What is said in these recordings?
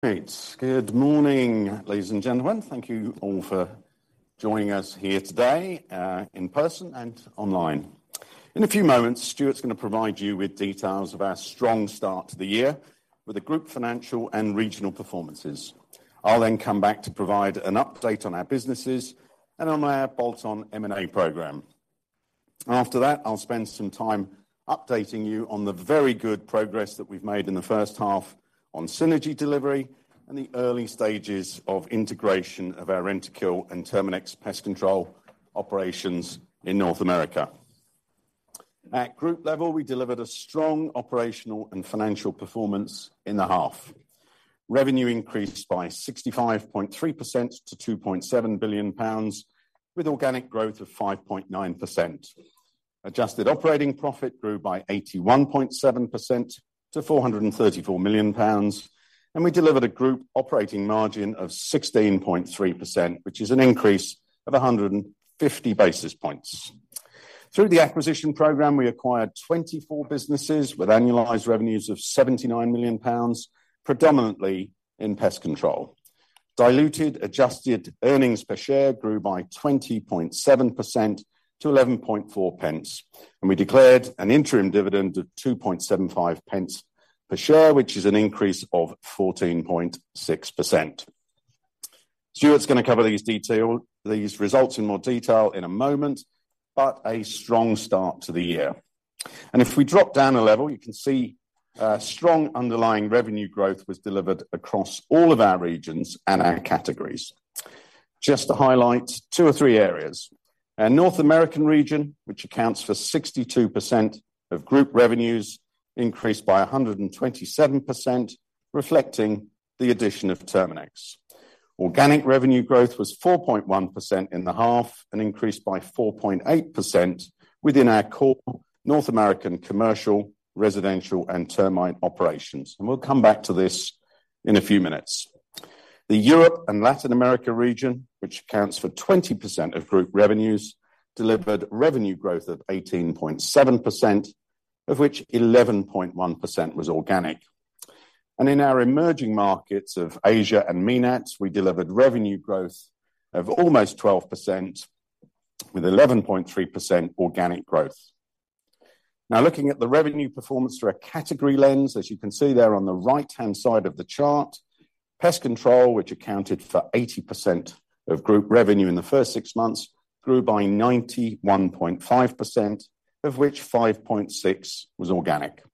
Great. Good morning, ladies and gentlemen. Thank you all for joining us here today, in person and online. In a few moments, Stuart's going to provide you with details of our strong start to the year with the group financial and regional performances. I'll then come back to provide an update on our businesses and on our bolt-on M&A program. After that, I'll spend some time updating you on the very good progress that we've made in the first half on synergy delivery and the early stages of integration of our Rentokil and Terminix Pest Control operations in North America. At group level, we delivered a strong operational and financial performance in the half. Revenue increased by 65.3% to 2.7 billion pounds, with organic growth of 5.9%. Adjusted operating profit grew by 81.7% to GBP 434 million. We delivered a group operating margin of 16.3%, which is an increase of 150 basis points. Through the acquisition program, we acquired 24 businesses with annualized revenues of 79 million pounds, predominantly in pest control. Diluted adjusted earnings per share grew by 20.7% to 11.4 pence, and we declared an interim dividend of 2.75 pence per share, which is an increase of 14.6%. Stuart's going to cover these results in more detail in a moment, but a strong start to the year. If we drop down a level, you can see strong underlying revenue growth was delivered across all of our regions and our categories. Just to highlight two or three areas. Our North American region, which accounts for 62% of group revenues, increased by 127%, reflecting the addition of Terminix. Organic revenue growth was 4.1% in the half and increased by 4.8% within our core North American commercial, residential, and termite operations, and we'll come back to this in a few minutes. The Europe and Latin America region, which accounts for 20% of group revenues, delivered revenue growth of 18.7%, of which 11.1% was organic. In our emerging markets of Asia and MENAT, we delivered revenue growth of almost 12%, with 11.3% organic growth. Looking at the revenue performance through a category lens, as you can see there on the right-hand side of the chart, pest control, which accounted for 80% of group revenue in the first six months, grew by 91.5%, of which 5.6 was organic.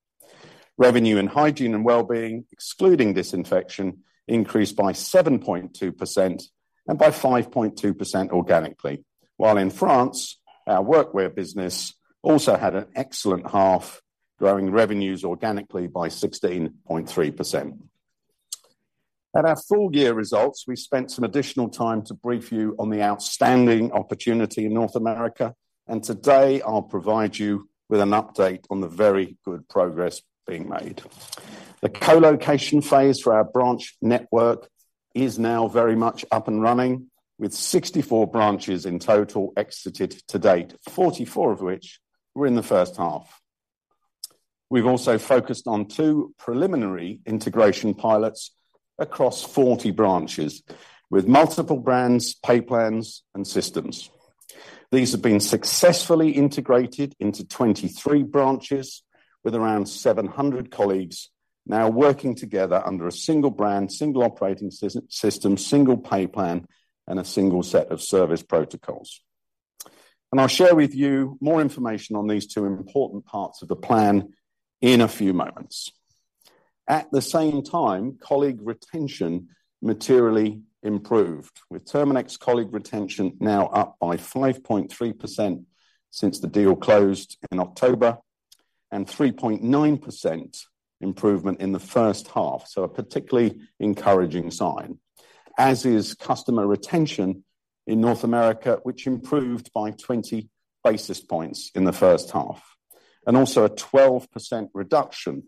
Revenue in hygiene and well-being, excluding disinfection, increased by 7.2% and by 5.2% organically. While in France, our workwear business also had an excellent half, growing revenues organically by 16.3%. At our full year results, we spent some additional time to brief you on the outstanding opportunity in North America, and today I'll provide you with an update on the very good progress being made. The co-location phase for our branch network is now very much up and running, with 64 branches in total exited to date, 44 of which were in the first half. We've also focused on two preliminary integration pilots across 40 branches with multiple brands, pay plans, and systems. These have been successfully integrated into 23 branches, with around 700 colleagues now working together under a single brand, single operating system, single pay plan, and a single set of service protocols. I'll share with you more information on these two important parts of the plan in a few moments. At the same time, colleague retention materially improved, with Terminix colleague retention now up by 5.3% since the deal closed in October, and 3.9% improvement in the first half, so a particularly encouraging sign. As is customer retention in North America, which improved by 20 basis points in the first half, and also a 12% reduction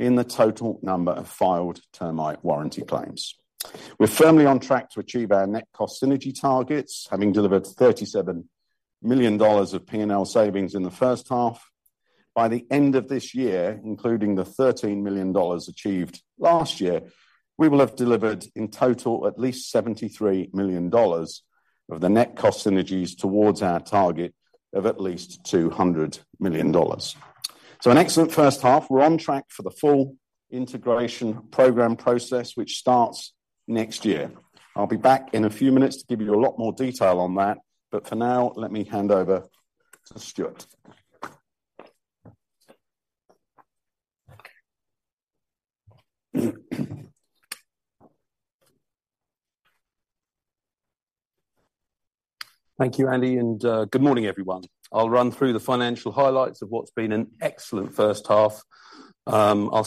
in the total number of filed termite warranty claims. We're firmly on track to achieve our net cost synergy targets, having delivered $37 million of P&L savings in the first half. By the end of this year, including the $13 million achieved last year, we will have delivered, in total, at least $73 million of the net cost synergies towards our target of at least $200 million. An excellent first half. We're on track for the full integration program process, which starts next year. I'll be back in a few minutes to give you a lot more detail on that. For now, let me hand over to Stuart. Thank you, Andy. Good morning, everyone. I'll run through the financial highlights of what's been an excellent first half. Excuse me. I'll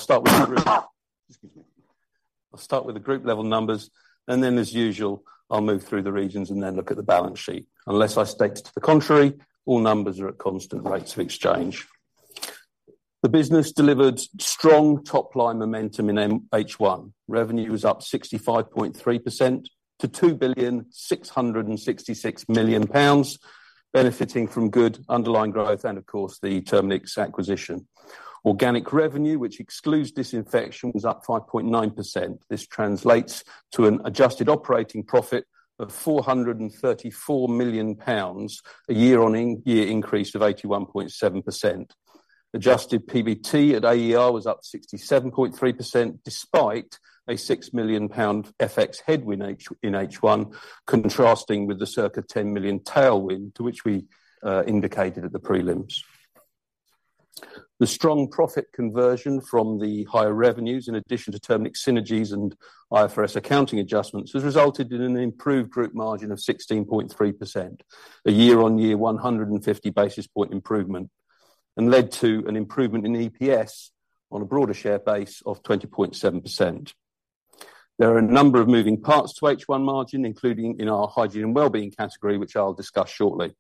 start with the group level numbers. Then, as usual, I'll move through the regions and then look at the balance sheet. Unless I state to the contrary, all numbers are at constant rates of exchange. The business delivered strong top-line momentum in H1. Revenue was up 65.3% to 2.666 billion, benefiting from good underlying growth and of course, the Terminix acquisition. Organic revenue, which excludes disinfection, was up 5.9%. This translates to an adjusted operating profit of 434 million pounds, a year-on-year increase of 81.7%. Adjusted PBT at AER was up 67.3%, despite a 6 million pound FX headwind in H1, contrasting with the circa 10 million tailwind, to which we indicated at the prelims. The strong profit conversion from the higher revenues, in addition to Terminix synergies and IFRS accounting adjustments, has resulted in an improved group margin of 16.3%, a year-on-year 150 basis point improvement, and led to an improvement in EPS on a broader share base of 20.7%. There are a number of moving parts to H1 margin, including in our hygiene and wellbeing category, which I'll discuss shortly.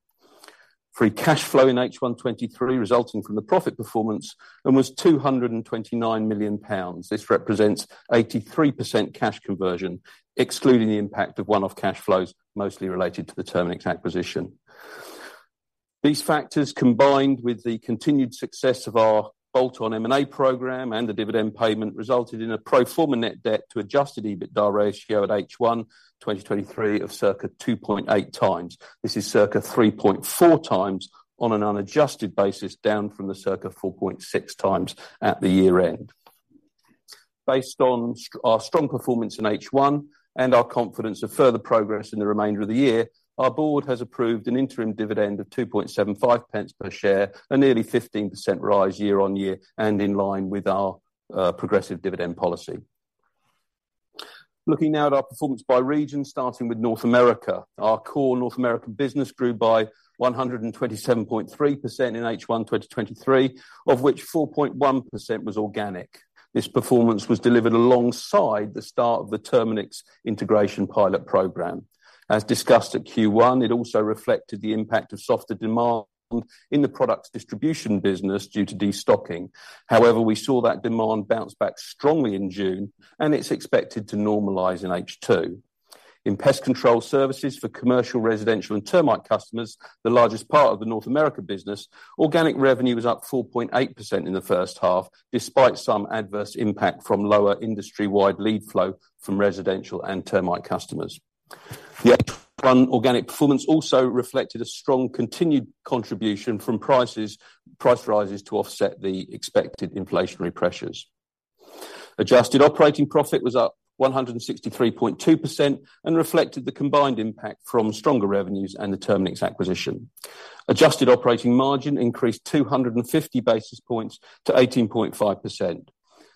Free cash flow in H1 2023, resulting from the profit performance and was 229 million pounds. This represents 83% cash conversion, excluding the impact of one-off cash flows, mostly related to the Terminix acquisition. These factors, combined with the continued success of our bolt-on M&A program and the dividend payment, resulted in a pro forma net debt to adjusted EBITDA ratio at H1 2023 of circa 2.8x. This is circa 3.4x on an unadjusted basis, down from the circa 4.6x at the year-end. Based on our strong performance in H1 and our confidence of further progress in the remainder of the year, our board has approved an interim dividend of 2.75 pence per share, a nearly 15% rise year-on-year and in line with our progressive dividend policy. Looking now at our performance by region, starting with North America. Our core North American business grew by 127.3% in H1 2023, of which 4.1% was organic. This performance was delivered alongside the start of the Terminix integration pilot program. As discussed at Q1, it also reflected the impact of softer demand in the product distribution business due to destocking. We saw that demand bounce back strongly in June, and it's expected to normalize in H2. In pest control services for commercial, residential, and termite customers, the largest part of the North America business, organic revenue was up 4.8% in the first half, despite some adverse impact from lower industry-wide lead flow from residential and termite customers. The H1 organic performance also reflected a strong continued contribution from price rises to offset the expected inflationary pressures. Adjusted operating profit was up 163.2% and reflected the combined impact from stronger revenues and the Terminix acquisition. Adjusted operating margin increased 250 basis points to 18.5%.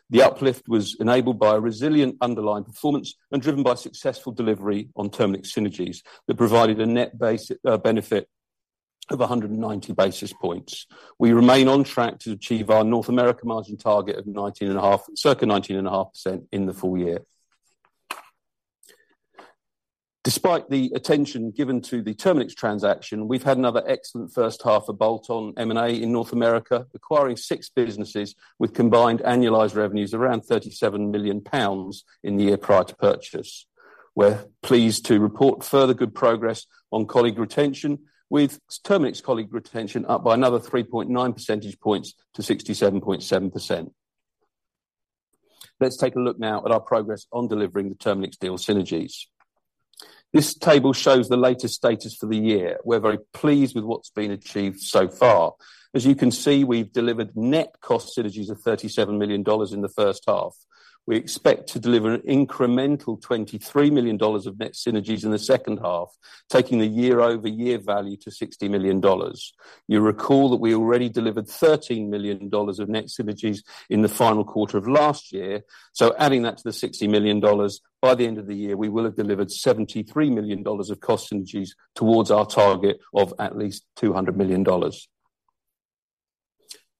The uplift was enabled by a resilient underlying performance and driven by successful delivery on Terminix synergies that provided a net benefit of 190 basis points. We remain on track to achieve our North America margin target of 19.5%, circa 19.5% in the full year. Despite the attention given to the Terminix transaction, we've had another excellent first half of bolt-on M&A in North America, acquiring six businesses with combined annualized revenues around 37 million pounds in the year prior to purchase. We're pleased to report further good progress on colleague retention, with Terminix colleague retention up by another 3.9 percentage points to 67.7%. Let's take a look now at our progress on delivering the Terminix deal synergies. This table shows the latest status for the year. We're very pleased with what's been achieved so far. As you can see, we've delivered net cost synergies of $37 million in the first half. We expect to deliver an incremental $23 million of net synergies in the second half, taking the year-over-year value to $60 million. You recall that we already delivered $13 million of net synergies in the final quarter of last year, so adding that to the $60 million, by the end of the year, we will have delivered $73 million of cost synergies towards our target of at least $200 million.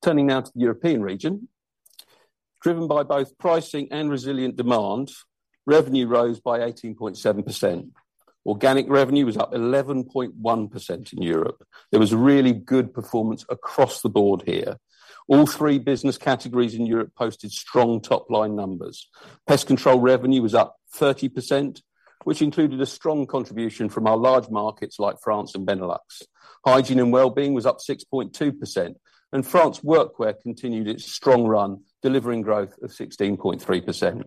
Turning now to the European region. Driven by both pricing and resilient demand, revenue rose by 18.7%. Organic revenue was up 11.1% in Europe. There was a really good performance across the board here. All three business categories in Europe posted strong top-line numbers. Pest control revenue was up 30%, which included a strong contribution from our large markets like France and Benelux. Hygiene and wellbeing was up 6.2%. French Workwear continued its strong run, delivering growth of 16.3%.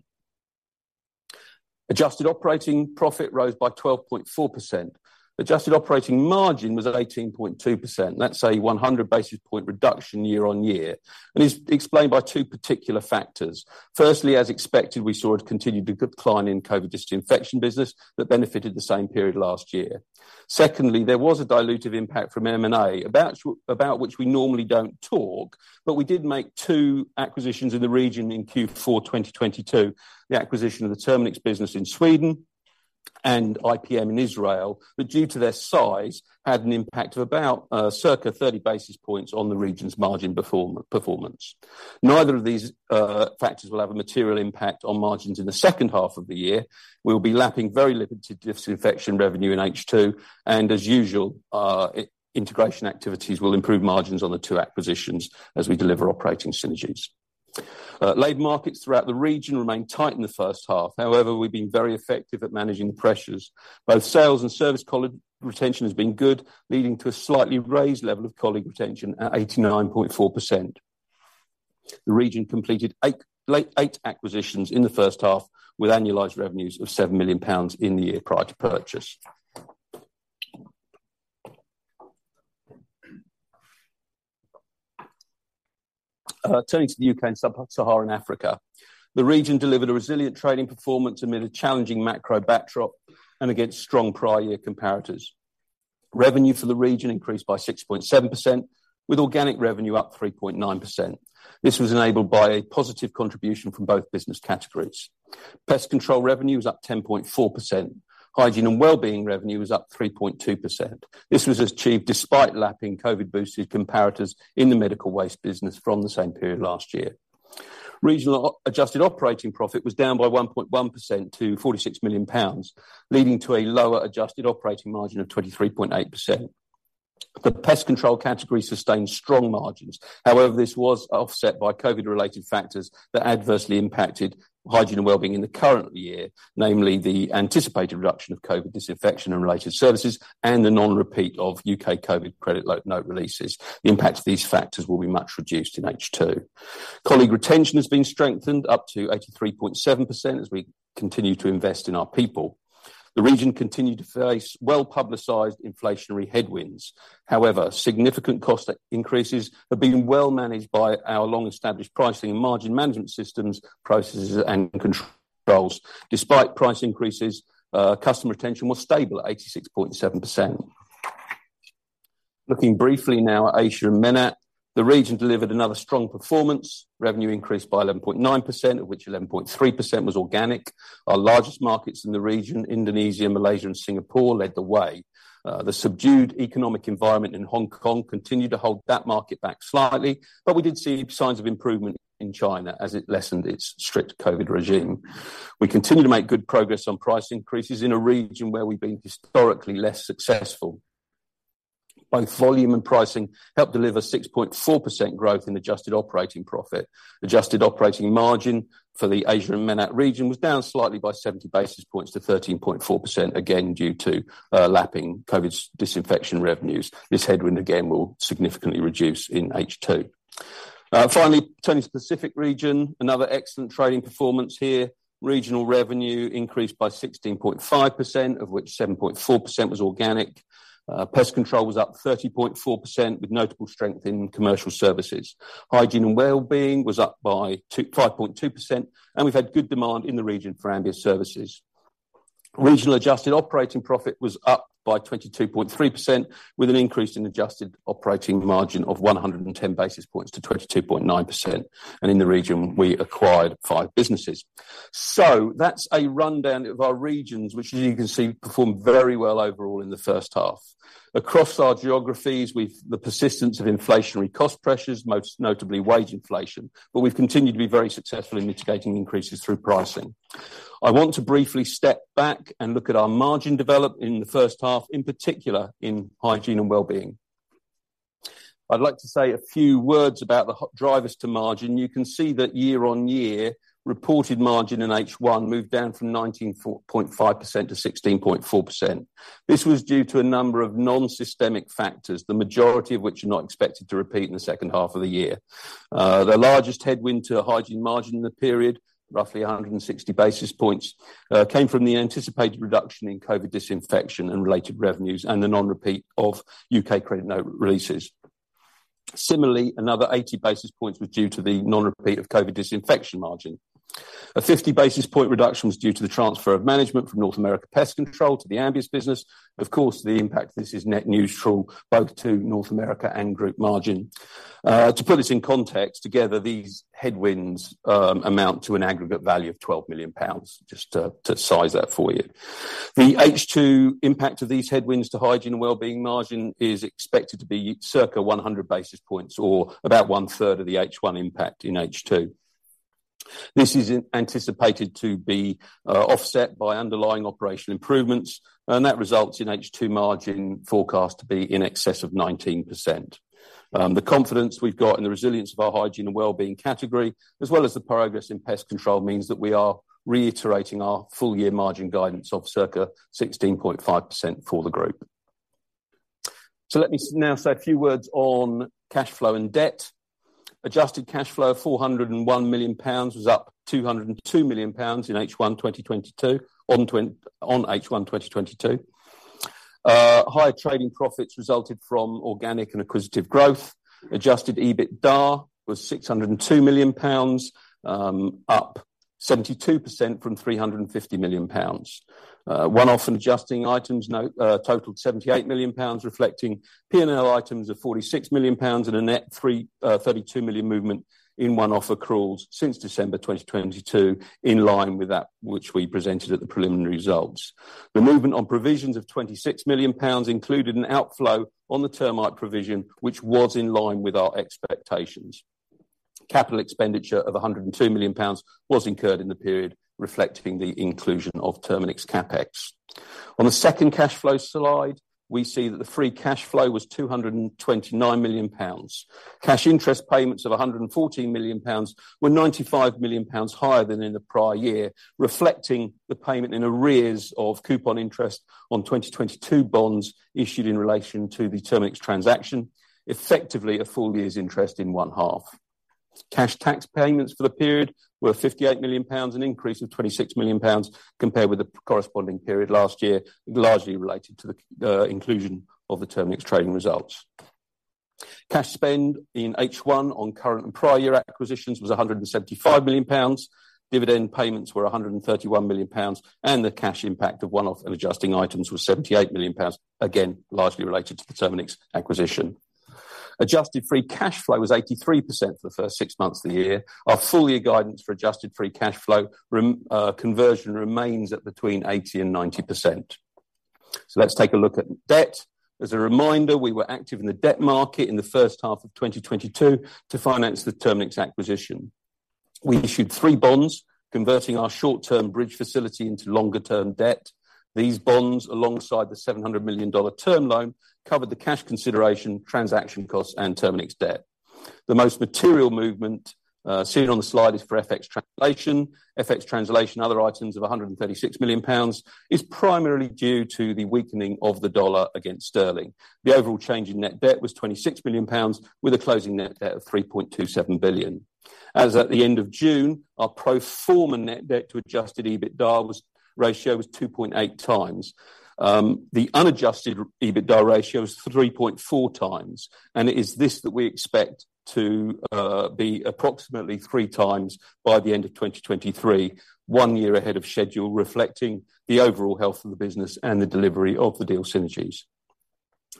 Adjusted operating profit rose by 12.4%. Adjusted operating margin was at 18.2%. That's a 100 basis point reduction year on year and is explained by two particular factors. Firstly, as expected, we saw a continued decline in COVID disinfection business that benefited the same period last year. Secondly, there was a dilutive impact from M&A, about which we normally don't talk, but we did make two acquisitions in the region in Q4 2022. The acquisition of the Terminix business in Sweden and IPM in Israel, due to their size, had an impact of about circa 30 basis points on the region's margin performance. Neither of these factors will have a material impact on margins in the second half of the year. We'll be lapping very limited disinfection revenue in H2, and as usual, integration activities will improve margins on the two acquisitions as we deliver operating synergies. Labor markets throughout the region remained tight in the first half, however, we've been very effective at managing the pressures. Both sales and service retention has been good, leading to a slightly raised level of colleague retention at 89.4%. The region completed 8 acquisitions in the first half, with annualized revenues of 7 million pounds in the year prior to purchase. Turning to the UK and Sub-Saharan Africa, the region delivered a resilient trading performance amid a challenging macro backdrop and against strong prior year comparators. Revenue for the region increased by 6.7%, with organic revenue up 3.9%. This was enabled by a positive contribution from both business categories. Pest control revenue was up 10.4%. Hygiene and well-being revenue was up 3.2%. This was achieved despite lapping COVID-boosted comparators in the medical waste business from the same period last year. Regional adjusted operating profit was down by 1.1% to 46 million pounds, leading to a lower adjusted operating margin of 23.8%. The pest control category sustained strong margins. This was offset by COVID-related factors that adversely impacted hygiene and well-being in the current year, namely the anticipated reduction of COVID disinfection and related services, and the non-repeat of U.K. COVID credit note releases. The impact of these factors will be much reduced in H2. Colleague retention has been strengthened up to 83.7% as we continue to invest in our people. The region continued to face well-publicized inflationary headwinds. Significant cost increases have been well managed by our long-established pricing and margin management systems, processes, and controls. Despite price increases, customer retention was stable at 86.7%. Looking briefly now at Asia and MENAT, the region delivered another strong performance. Revenue increased by 11.9%, of which 11.3% was organic. Our largest markets in the region, Indonesia, Malaysia, and Singapore, led the way. The subdued economic environment in Hong Kong continued to hold that market back slightly. We did see signs of improvement in China as it lessened its strict COVID regime. We continue to make good progress on price increases in a region where we've been historically less successful. Both volume and pricing helped deliver 6.4% growth in adjusted operating profit. Adjusted operating margin for the Asia and MENAT region was down slightly by 70 basis points to 13.4%, again, due to lapping COVID disinfection revenues. This headwind again, will significantly reduce in H2. Finally, turning to Pacific region. Another excellent trading performance here. Regional revenue increased by 16.5%, of which 7.4% was organic. Pest control was up 30.4%, with notable strength in commercial services. Hygiene and well-being was up by 5.2%, and we've had good demand in the region for Ambius services. Regional adjusted operating profit was up by 22.3%, with an increase in adjusted operating margin of 110 basis points to 22.9%, and in the region, we acquired 5 businesses. That's a rundown of our regions, which, as you can see, performed very well overall in the first half. Across our geographies, we've the persistence of inflationary cost pressures, most notably wage inflation, but we've continued to be very successful in mitigating increases through pricing. I want to briefly step back and look at our margin development in the first half, in particular in hygiene and well-being. I'd like to say a few words about the drivers to margin. You can see that year-on-year reported margin in H1 moved down from 19.5% to 16.4%. This was due to a number of non-systemic factors, the majority of which are not expected to repeat in the second half of the year. The largest headwind to hygiene margin in the period, roughly 160 basis points, came from the anticipated reduction in COVID disinfection and related revenues, and the non-repeat of U.K. credit note releases. Similarly, another 80 basis points was due to the non-repeat of COVID disinfection margin. A 50 basis point reduction was due to the transfer of management from North America Pest Control to the Ambius business. Of course, the impact of this is net neutral, both to North America and group margin. To put this in context, together, these headwinds amount to an aggregate value of 12 million pounds, just to size that for you. The H2 impact of these headwinds to hygiene and well-being margin is expected to be circa 100 basis points, or about one-third of the H1 impact in H2. This is anticipated to be offset by underlying operational improvements, and that results in H2 margin forecast to be in excess of 19%. The confidence we've got in the resilience of our hygiene and well-being category, as well as the progress in pest control, means that we are reiterating our full year margin guidance of circa 16.5% for the group. Let me now say a few words on cash flow and debt. Adjusted cash flow of 401 million pounds was up 202 million pounds in H1 2022, on H1 2022. Higher trading profits resulted from organic and acquisitive growth. Adjusted EBITDA was 602 million pounds, up 72% from 350 million pounds. One-off adjusting items totaled 78 million pounds, reflecting P&L items of 46 million pounds and a net 32 million movement in one-off accruals since December 2022, in line with that which we presented at the preliminary results. The movement on provisions of GBP 26 million included an outflow on the termite provision, which was in line with our expectations. Capital expenditure of 102 million pounds was incurred in the period, reflecting the inclusion of Terminix CapEx. On the second cash flow slide, we see that the free cash flow was 229 million pounds. Cash interest payments of 114 million pounds were 95 million pounds higher than in the prior year, reflecting the payment in arrears of coupon interest on 2022 bonds issued in relation to the Terminix transaction, effectively, a full year's interest in one half. Cash tax payments for the period were 58 million pounds, an increase of 26 million pounds compared with the corresponding period last year, largely related to the inclusion of the Terminix trading results. Cash spend in H1 on current and prior year acquisitions was 175 million pounds. Dividend payments were 131 million pounds, and the cash impact of one-off and adjusting items was 78 million pounds, again, largely related to the Terminix acquisition. Adjusted free cash flow was 83% for the first six months of the year. Our full year guidance for adjusted free cash flow conversion remains at between 80% and 90%. Let's take a look at debt. As a reminder, we were active in the debt market in the first half of 2022 to finance the Terminix acquisition. We issued three bonds, converting our short-term bridge facility into longer-term debt. These bonds, alongside the $700 million term loan, covered the cash consideration, transaction costs, and Terminix debt. The most material movement seen on the slide is for FX translation. FX translation, other items of 136 million pounds, is primarily due to the weakening of the dollar against sterling. The overall change in net debt was 26 million pounds, with a closing net debt of 3.27 billion. As at the end of June, our pro forma net debt to adjusted EBITDA ratio was 2.8 times. The unadjusted EBITDA ratio is 3.4 times, and it is this that we expect to be approximately 3 times by the end of 2023, one year ahead of schedule, reflecting the overall health of the business and the delivery of the deal synergies.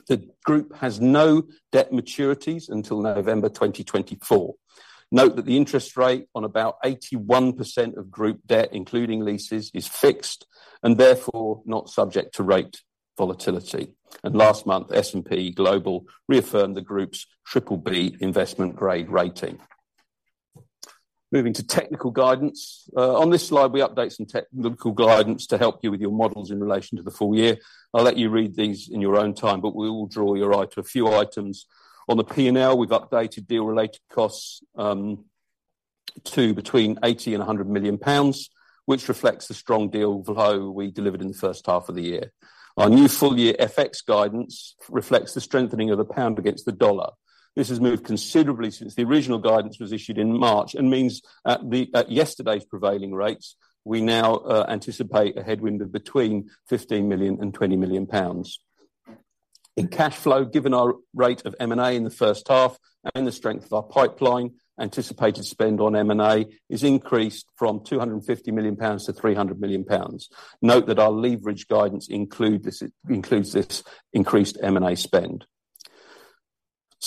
The group has no debt maturities until November 2024. Note that the interest rate on about 81% of group debt, including leases, is fixed, and therefore not subject to rate volatility. Last month, S&P Global reaffirmed the group's BBB investment grade rating. Moving to technical guidance. On this slide, we update some technical guidance to help you with your models in relation to the full year. I'll let you read these in your own time, we will draw your eye to a few items. On the P&L, we've updated deal-related costs to between 80 million and 100 million pounds, which reflects the strong deal flow we delivered in the first half of the year. Our new full year FX guidance reflects the strengthening of the pound against the dollar. This has moved considerably since the original guidance was issued in March and means at yesterday's prevailing rates, we now anticipate a headwind of between 15 million and 20 million pounds. In cash flow, given our rate of M&A in the first half and the strength of our pipeline, anticipated spend on M&A is increased from 250 million pounds to 300 million pounds. Note that our leverage guidance includes this increased M&A spend.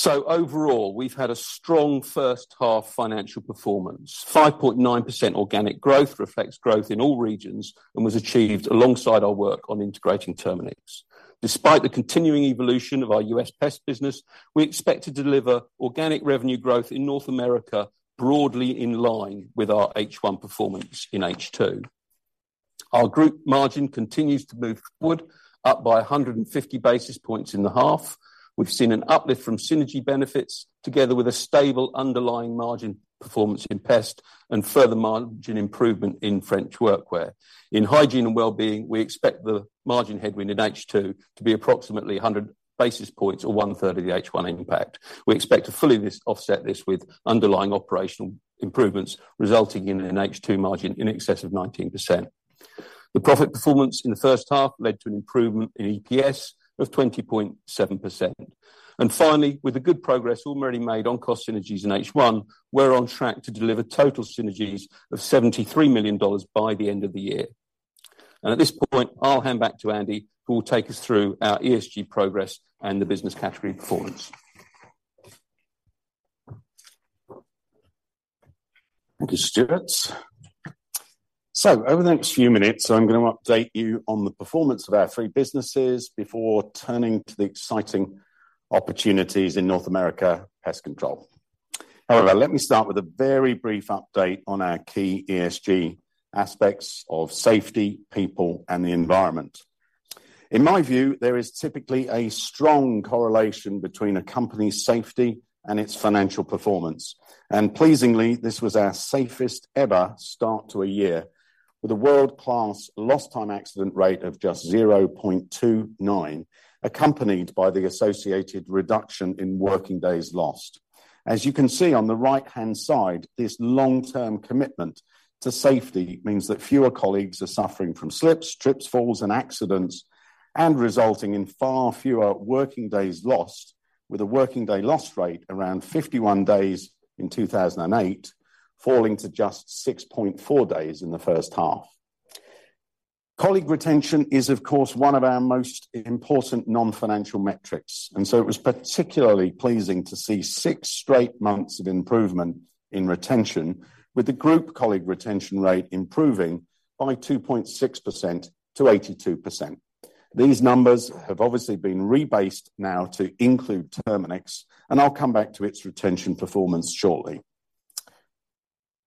Overall, we've had a strong first half financial performance. 5.9% organic growth reflects growth in all regions and was achieved alongside our work on integrating Terminix. Despite the continuing evolution of our U.S. pest business, we expect to deliver organic revenue growth in North America, broadly in line with our H1 performance in H2. Our group margin continues to move forward, up by 150 basis points in the half. We've seen an uplift from synergy benefits, together with a stable underlying margin performance in pest and further margin improvement in French Workwear. In hygiene and well-being, we expect the margin headwind in H2 to be approximately 100 basis points or one-third of the H1 impact. We expect to fully offset this with underlying operational improvements, resulting in an H2 margin in excess of 19%. The profit performance in the first half led to an improvement in EPS of 20.7%. Finally, with the good progress already made on cost synergies in H1, we're on track to deliver total synergies of $73 million by the end of the year. At this point, I'll hand back to Andy, who will take us through our ESG progress and the business category performance. Thank you, Stuart. Over the next few minutes, I'm going to update you on the performance of our three businesses before turning to the exciting opportunities in North America pest control. However, let me start with a very brief update on our key ESG aspects of safety, people, and the environment. In my view, there is typically a strong correlation between a company's safety and its financial performance, and pleasingly, this was our safest ever start to a year, with a world-class lost time accident rate of just 0.29, accompanied by the associated reduction in working days lost. As you can see on the right-hand side, this long-term commitment to safety means that fewer colleagues are suffering from slips, trips, falls, and accidents, and resulting in far fewer working days lost, with a working day lost rate around 51 days in 2008, falling to just 6.4 days in the first half. Colleague retention is, of course, one of our most important non-financial metrics. It was particularly pleasing to see six straight months of improvement in retention, with the group colleague retention rate improving by 2.6% to 82%. These numbers have obviously been rebased now to include Terminix, and I'll come back to its retention performance shortly.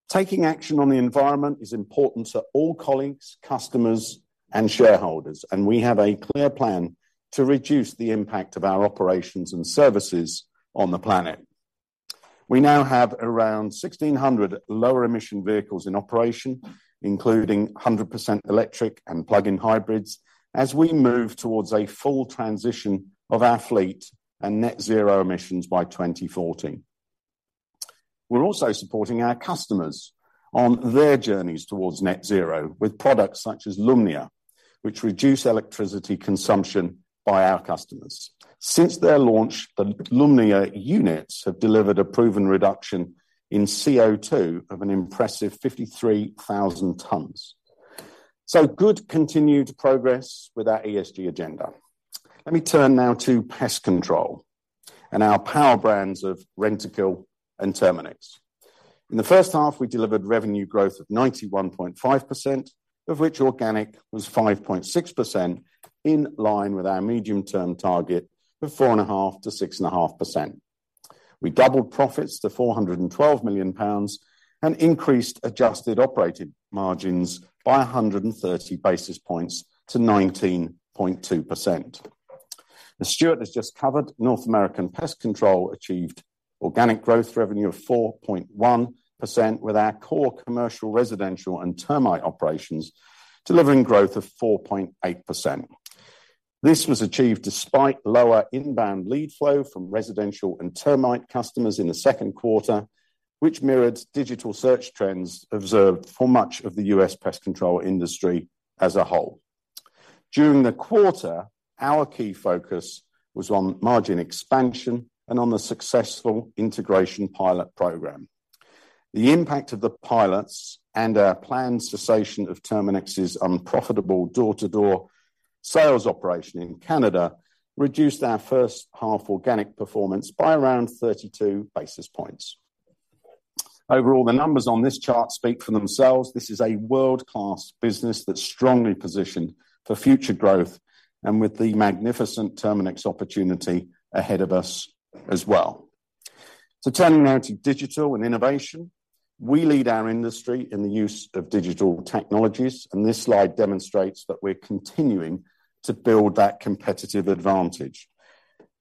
Taking action on the environment is important to all colleagues, customers, and shareholders, and we have a clear plan to reduce the impact of our operations and services on the planet. We now have around 1,600 lower emission vehicles in operation, including 100% electric and plug-in hybrids, as we move towards a full transition of our fleet and net zero emissions by 2014. We're also supporting our customers on their journeys towards net zero with products such as Lumnia, which reduce electricity consumption by our customers. Since their launch, the Lumnia units have delivered a proven reduction in CO2 of an impressive 53,000 tons. Good continued progress with our ESG agenda. Let me turn now to pest control and our power brands of Rentokil and Terminix. In the first half, we delivered revenue growth of 91.5%, of which organic was 5.6%, in line with our medium-term target of 4.5%-6.5%. We doubled profits to 412 million pounds and increased adjusted operating margins by 130 basis points to 19.2%. As Stuart has just covered, North American Pest Control achieved organic growth revenue of 4.1%, with our core commercial, residential, and termite operations delivering growth of 4.8%. This was achieved despite lower inbound lead flow from residential and termite customers in the Q2, which mirrored digital search trends observed for much of the US pest control industry as a whole. During the quarter, our key focus was on margin expansion and on the successful integration pilot program. The impact of the pilots and our planned cessation of Terminix's unprofitable door-to-door sales operation in Canada reduced our first half organic performance by around 32 basis points. Overall, the numbers on this chart speak for themselves. This is a world-class business that's strongly positioned for future growth and with the magnificent Terminix opportunity ahead of us as well. Turning now to digital and innovation. We lead our industry in the use of digital technologies, and this slide demonstrates that we're continuing to build that competitive advantage.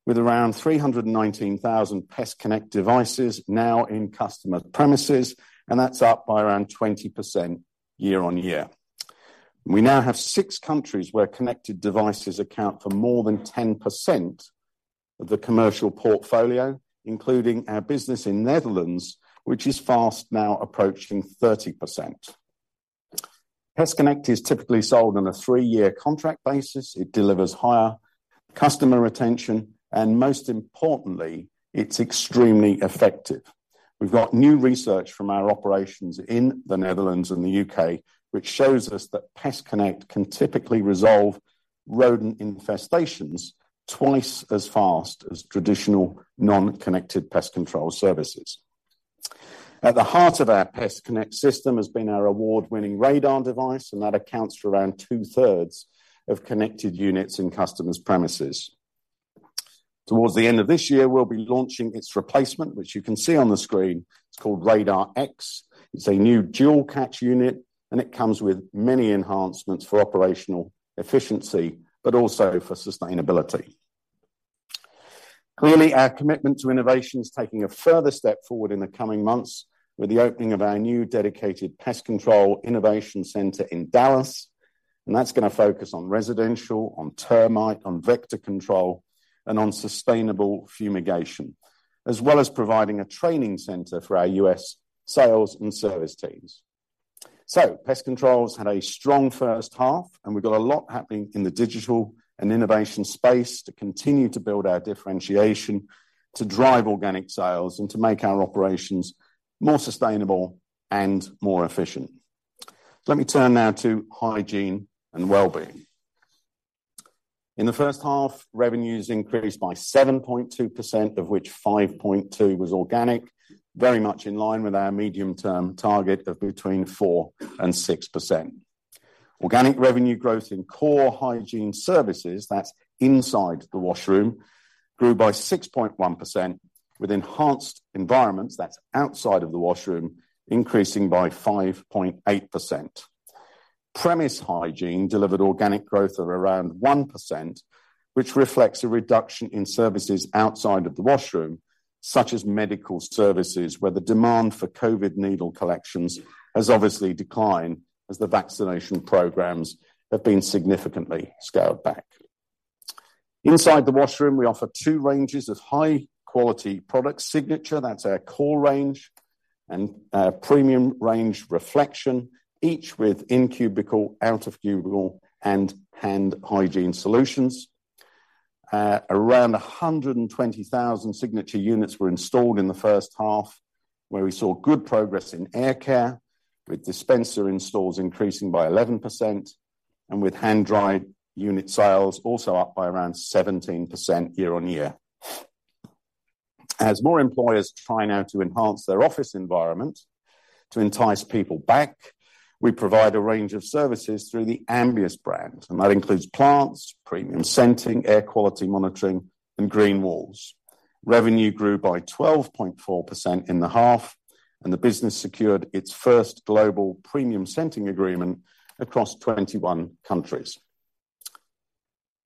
With around 319,000 PestConnect devices now in customer premises, that's up by around 20% year-over-year. We now have 6 countries where connected devices account for more than 10% of the commercial portfolio, including our business in Netherlands, which is fast now approaching 30%. PestConnect is typically sold on a three-year contract basis. It delivers higher customer retention, most importantly, it's extremely effective. We've got new research from our operations in the Netherlands and the UK, which shows us that PestConnect can typically resolve rodent infestations twice as fast as traditional non-connected pest control services. At the heart of our PestConnect system has been our award-winning RADAR device, and that accounts for around two-thirds of connected units in customers' premises. Towards the end of this year, we'll be launching its replacement, which you can see on the screen. It's called RADAR X. It's a new dual catch unit, and it comes with many enhancements for operational efficiency but also for sustainability. Our commitment to innovation is taking a further step forward in the coming months with the opening of our new dedicated pest control innovation center in Dallas, that's going to focus on residential, on termite, on vector control, and on sustainable fumigation, as well as providing a training center for our U.S. sales and service teams. Pest control has had a strong first half, and we've got a lot happening in the digital and innovation space to continue to build our differentiation, to drive organic sales, and to make our operations more sustainable and more efficient. Let me turn now to hygiene and well-being. In the first half, revenues increased by 7.2%, of which 5.2% was organic, very much in line with our medium-term target of between 4% and 6%. Organic revenue growth in core hygiene services, that's inside the washroom, grew by 6.1%, with enhanced environments, that's outside of the washroom, increasing by 5.8%. Premise hygiene delivered organic growth of around 1%, which reflects a reduction in services outside of the washroom, such as medical services, where the demand for COVID needle collections has obviously declined as the vaccination programs have been significantly scaled back. Inside the washroom, we offer two ranges of high-quality products: Signature, that's our core range, and our premium range, Reflection, each with in-cubicle, out-of-cubicle, and hand hygiene solutions. Around 120,000 Signature units were installed in the first half, where we saw good progress in air care, with dispenser installs increasing by 11% and with hand dry unit sales also up by around 17% year-on-year. As more employers try now to enhance their office environment to entice people back, we provide a range of services through the Ambius brand, and that includes plants, premium scenting, air quality monitoring, and green walls. Revenue grew by 12.4% in the half, and the business secured its first global premium scenting agreement across 21 countries.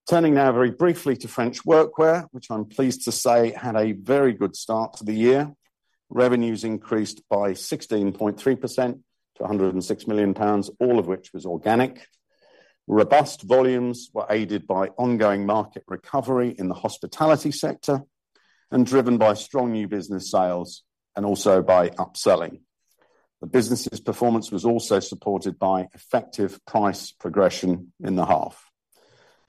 Turning now very briefly to French Workwear, which I'm pleased to say had a very good start to the year. Revenues increased by 16.3% to 106 million pounds, all of which was organic. Robust volumes were aided by ongoing market recovery in the hospitality sector, and driven by strong new business sales and also by upselling. The business's performance was also supported by effective price progression in the half.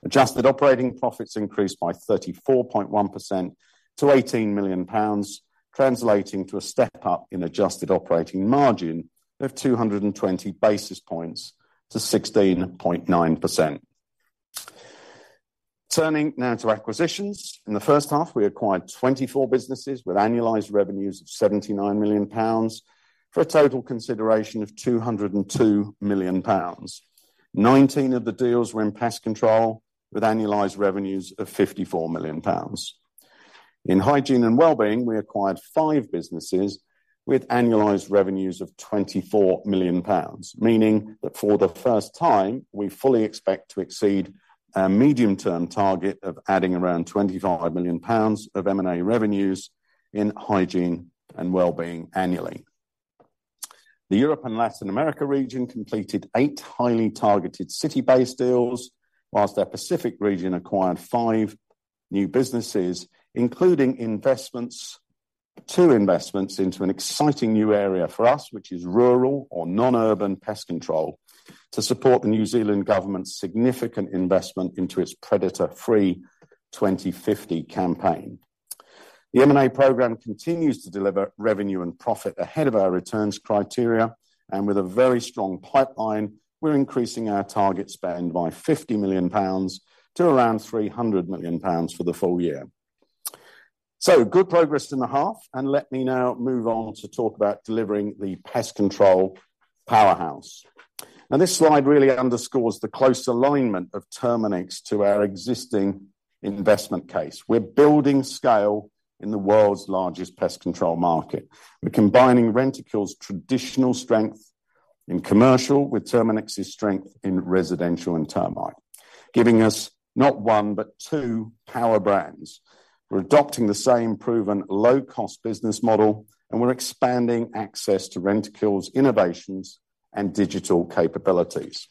Adjusted operating profits increased by 34.1% to 18 million pounds, translating to a step up in adjusted operating margin of 220 basis points to 16.9%. Turning now to acquisitions. In the first half, we acquired 24 businesses, with annualized revenues of 79 million pounds, for a total consideration of 202 million pounds. 19 of the deals were in pest control, with annualized revenues of 54 million pounds. In hygiene and well-being, we acquired 5 businesses with annualized revenues of 24 million pounds, meaning that for the first time, we fully expect to exceed our medium-term target of adding around 25 million pounds of M&A revenues in hygiene and well-being annually. The Europe and Latin America region completed 8 highly targeted city-based deals, whilst our Pacific region acquired 5 new businesses, including investments—2 investments into an exciting new area for us, which is rural or non-urban pest control, to support the New Zealand government's significant investment into its Predator Free 2050 campaign. The M&A program continues to deliver revenue and profit ahead of our returns criteria, and with a very strong pipeline, we're increasing our target spend by 50 million pounds to around 300 million pounds for the full year. Good progress in the half, and let me now move on to talk about delivering the pest control powerhouse. This slide really underscores the close alignment of Terminix to our existing investment case. We're building scale in the world's largest pest control market. We're combining Rentokil's traditional strength in commercial with Terminix's strength in residential and termite, giving us not one, but two power brands. We're adopting the same proven low-cost business model, and we're expanding access to Rentokil's innovations and digital capabilities.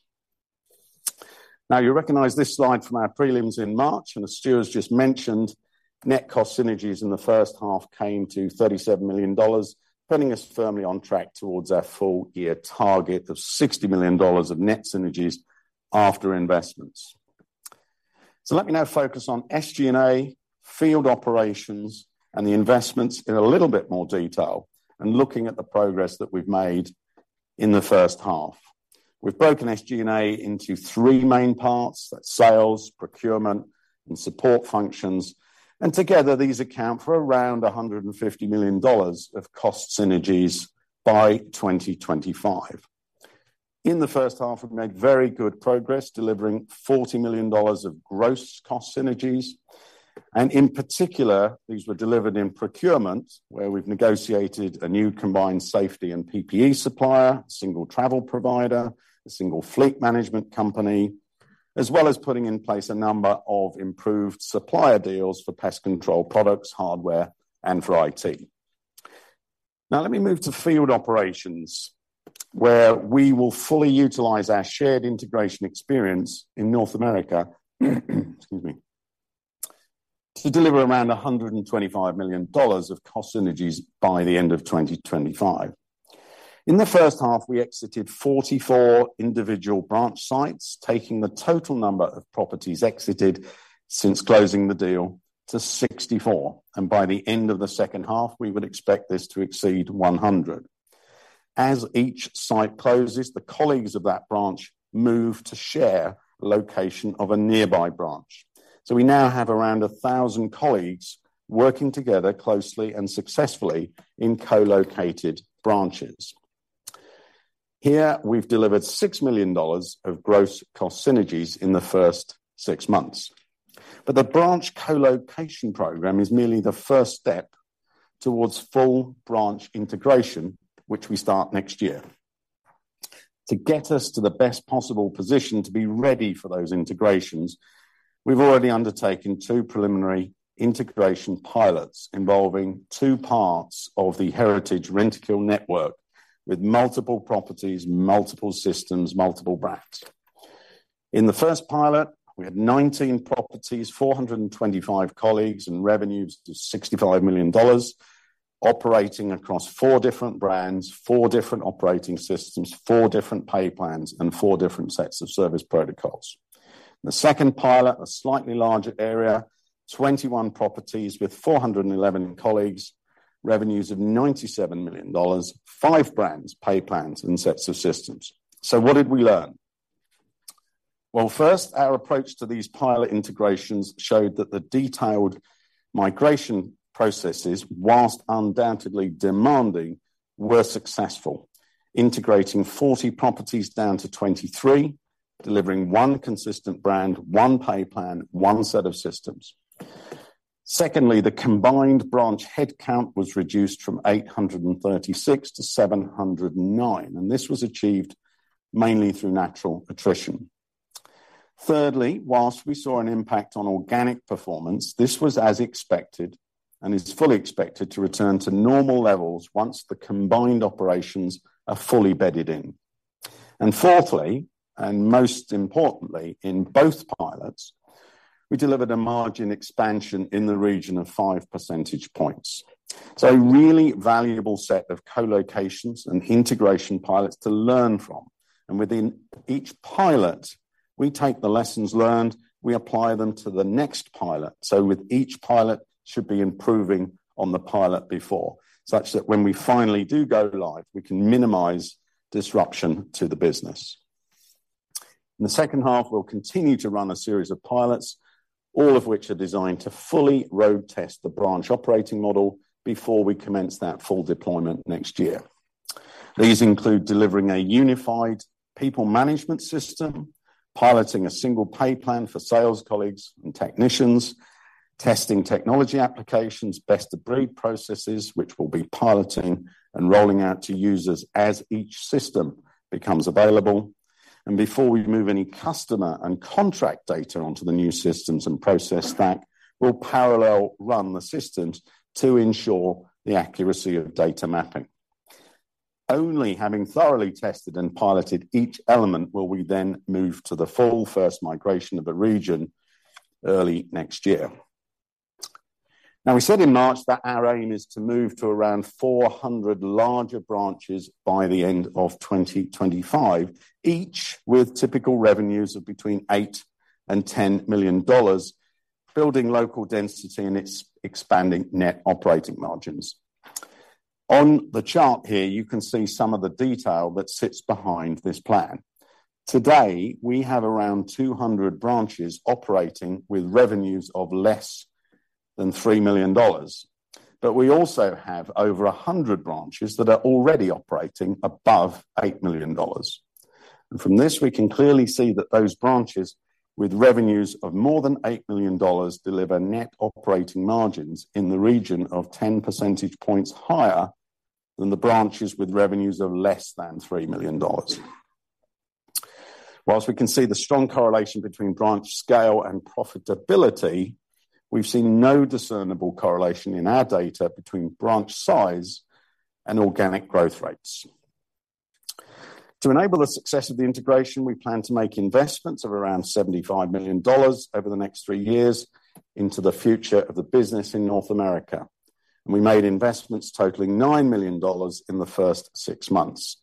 You recognize this slide from our prelims in March, and as Stuart has just mentioned, net cost synergies in the first half came to $37 million, putting us firmly on track towards our full year target of $60 million of net synergies after investments. Let me now focus on SG&A, field operations, and the investments in a little bit more detail and looking at the progress that we've made in the first half. We've broken SG&A into three main parts, that's sales, procurement, and support functions, and together, these account for around $150 million of cost synergies by 2025. In the first half, we've made very good progress, delivering $40 million of gross cost synergies, and in particular, these were delivered in procurement, where we've negotiated a new combined safety and PPE supplier, single travel provider, a single fleet management company, as well as putting in place a number of improved supplier deals for pest control products, hardware, and for IT. Now, let me move to field operations, where we will fully utilize our shared integration experience in North America, excuse me, to deliver around $125 million of cost synergies by the end of 2025. In the first half, we exited 44 individual branch sites, taking the total number of properties exited since closing the deal to 64, and by the end of the second half, we would expect this to exceed 100. As each site closes, the colleagues of that branch move to share location of a nearby branch. We now have around 1,000 colleagues working together closely and successfully in co-located branches. Here, we've delivered $6 million of gross cost synergies in the first 6 months. The branch co-location program is merely the first step towards full branch integration, which we start next year. To get us to the best possible position to be ready for those integrations, we've already undertaken 2 preliminary integration pilots involving 2 parts of the Heritage Rentokil network, with multiple properties, multiple systems, multiple brands. In the first pilot, we had 19 properties, 425 colleagues, and revenues to $65 million, operating across 4 different brands, 4 different operating systems, 4 different pay plans, and 4 different sets of service protocols. The second pilot, a slightly larger area, 21 properties with 411 colleagues, revenues of $97 million, five brands, pay plans, and sets of systems. What did we learn? First, our approach to these pilot integrations showed that the detailed migration processes, while undoubtedly demanding, were successful. Integrating 40 properties down to 23, delivering one consistent brand, one pay plan, one set of systems. Secondly, the combined branch headcount was reduced from 836 to 709, and this was achieved mainly through natural attrition. Thirdly, while we saw an impact on organic performance, this was as expected, and is fully expected to return to normal levels once the combined operations are fully bedded in. Fourthly, and most importantly, in both pilots, we delivered a margin expansion in the region of 5 percentage points. A really valuable set of co-locations and integration pilots to learn from, and within each pilot, we take the lessons learned, we apply them to the next pilot. With each pilot should be improving on the pilot before, such that when we finally do go live, we can minimize disruption to the business. In the second half, we'll continue to run a series of pilots, all of which are designed to fully road test the branch operating model before we commence that full deployment next year. These include delivering a unified people management system, piloting a single pay plan for sales colleagues and technicians, testing technology applications, best of breed processes, which we'll be piloting and rolling out to users as each system becomes available. Before we move any customer and contract data onto the new systems and process stack, we'll parallel run the systems to ensure the accuracy of data mapping. Only having thoroughly tested and piloted each element will we then move to the full first migration of the region early next year. We said in March that our aim is to move to around 400 larger branches by the end of 2025, each with typical revenues of between $8 million-$10 million, building local density and its expanding net operating margins. On the chart here, you can see some of the detail that sits behind this plan. Today, we have around 200 branches operating with revenues of less than $3 million, but we also have over 100 branches that are already operating above $8 million. From this, we can clearly see that those branches with revenues of more than $8 million deliver net operating margins in the region of 10 percentage points higher than the branches with revenues of less than $3 million. Whilst we can see the strong correlation between branch scale and profitability, we've seen no discernible correlation in our data between branch size and organic growth rates. To enable the success of the integration, we plan to make investments of around $75 million over the next 3 years into the future of the business in North America, and we made investments totaling $9 million in the first 6 months.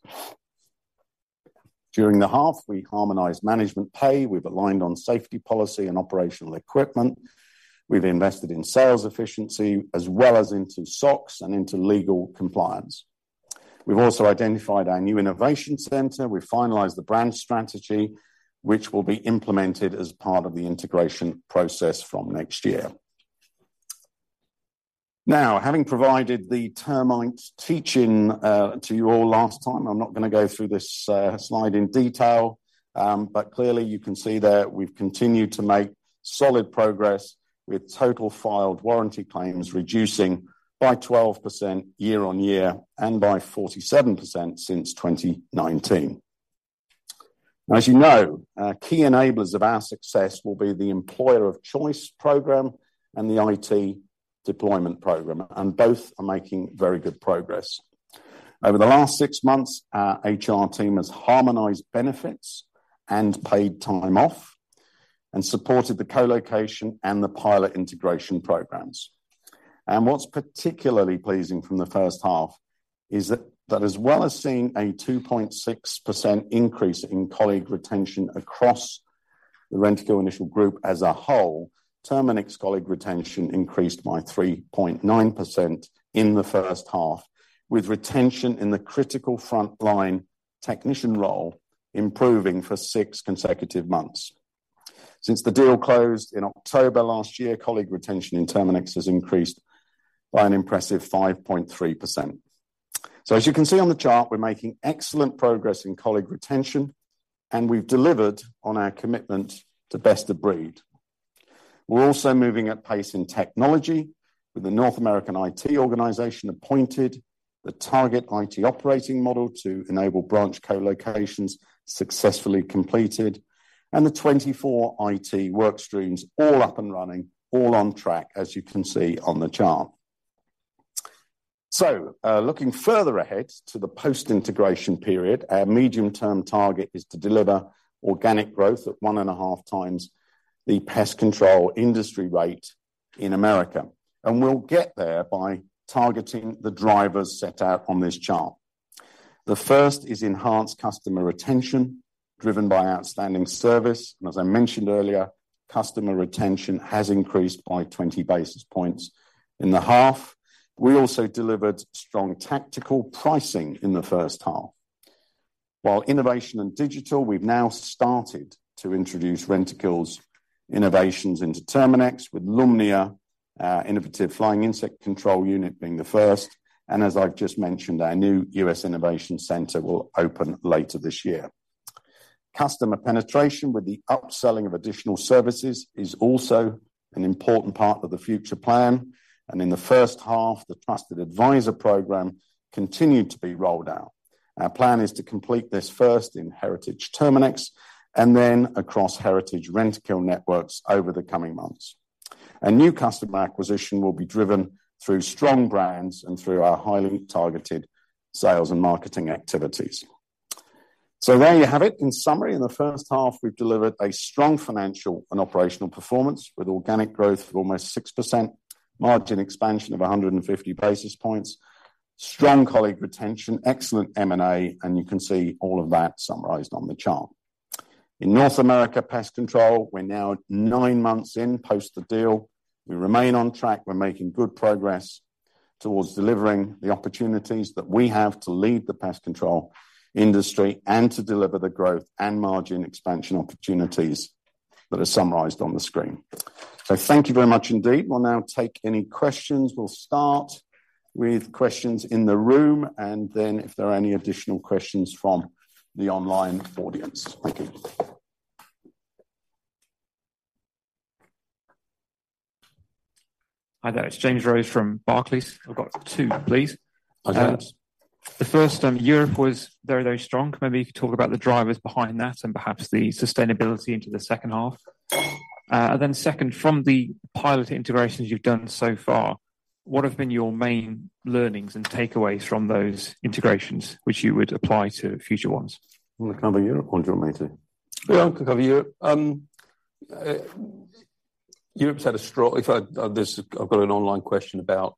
During the half, we harmonized management pay, we've aligned on safety policy and operational equipment. We've invested in sales efficiency as well as into SOX and into legal compliance. We've also identified our new innovation center. We finalized the brand strategy, which will be implemented as part of the integration process from next year. Having provided the Terminix teaching to you all last time, I'm not gonna go through this slide in detail. Clearly you can see that we've continued to make solid progress with total filed warranty claims reducing by 12% year-on-year and by 47% since 2019. You know, key enablers of our success will be the employer of choice program and the IT deployment program, and both are making very good progress. Over the last six months, our HR team has harmonized benefits and paid time off and supported the co-location and the pilot integration programs. What's particularly pleasing from the first half is that as well as seeing a 2.6% increase in colleague retention across the Rentokil Initial group as a whole, Terminix colleague retention increased by 3.9% in the first half, with retention in the critical frontline technician role improving for six consecutive months. Since the deal closed in October last year, colleague retention in Terminix has increased by an impressive 5.3%. As you can see on the chart, we're making excellent progress in colleague retention, and we've delivered on our commitment to best of breed. We're also moving at pace in technology with the North American IT organization appointed, the target IT operating model to enable branch co-locations successfully completed, and the 24 IT work streams all up and running, all on track, as you can see on the chart. Looking further ahead to the post-integration period, our medium-term target is to deliver organic growth at 1.5 times the pest control industry rate in America. We'll get there by targeting the drivers set out on this chart. The first is enhanced customer retention, driven by outstanding service. As I mentioned earlier, customer retention has increased by 20 basis points in the half. We also delivered strong tactical pricing in the first half. Innovation and digital, we've now started to introduce Rentokil's innovations into Terminix, with Lumnia, our innovative flying insect control unit being the first. As I've just mentioned, our new U.S. Innovation Center will open later this year. Customer penetration with the upselling of additional services is also an important part of the future plan. In the first half, the Trusted Advisor Program continued to be rolled out. Our plan is to complete this first in Heritage Terminix and then across Heritage Rentokil networks over the coming months. New customer acquisition will be driven through strong brands and through our highly targeted sales and marketing activities. There you have it. In summary, in the first half, we've delivered a strong financial and operational performance with organic growth of almost 6%, margin expansion of 150 basis points, strong colleague retention, excellent M&A, and you can see all of that summarized on the chart. In North America Pest Control, we're now 9 months in post the deal. We remain on track. We're making good progress towards delivering the opportunities that we have to lead the pest control industry and to deliver the growth and margin expansion opportunities that are summarized on the screen. Thank you very much indeed. We'll now take any questions. We'll start with questions in the room, and then if there are any additional questions from the online audience. Thank you. Hi there. It's James Rose from Barclays. I've got two, please. Hi, James. The first, Europe was very, very strong. Maybe you could talk about the drivers behind that and perhaps the sustainability into the second half. Second, from the pilot integrations you've done so far, what have been your main learnings and takeaways from those integrations, which you would apply to future ones? Want to cover Europe or do you want me to? Yeah, I'll cover Europe. If I this, I've got an online question about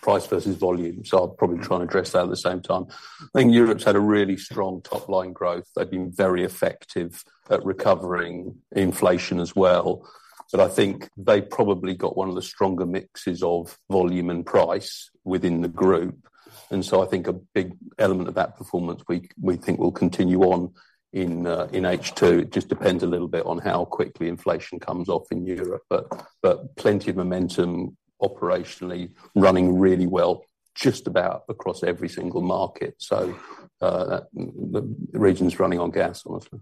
price versus volume, so I'll probably try and address that at the same time. I think Europe's had a really strong top-line growth. They've been very effective at recovering inflation as well. I think they probably got one of the stronger mixes of volume and price within the group. I think a big element of that performance, we think will continue on in H2. It just depends a little bit on how quickly inflation comes off in Europe. Plenty of momentum operationally running really well, just about across every single market. The region's running on gas, honestly.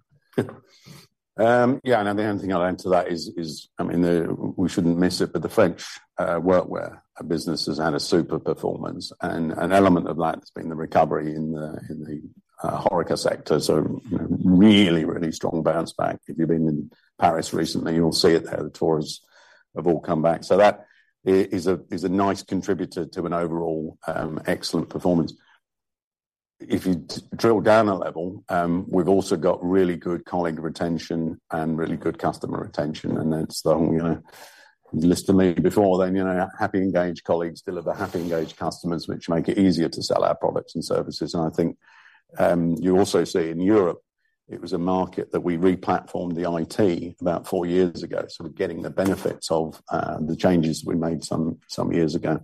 Yeah, the only thing I'll add to that is, I mean, we shouldn't miss it, but the French Workwear business has had a super performance, and an element of that has been the recovery in the HORECA sector. You know, really, really strong bounce back. If you've been in Paris recently, you'll see it there. The tourists have all come back. That is a nice contributor to an overall excellent performance. If you drill down a level, we've also got really good colleague retention and really good customer retention, that's the, you know, you listened to me before then, you know, happy, engaged colleagues deliver happy, engaged customers, which make it easier to sell our products and services, I think, you also see in Europe, it was a market that we replatformed the IT about four years ago, sort of getting the benefits of the changes we made some years ago.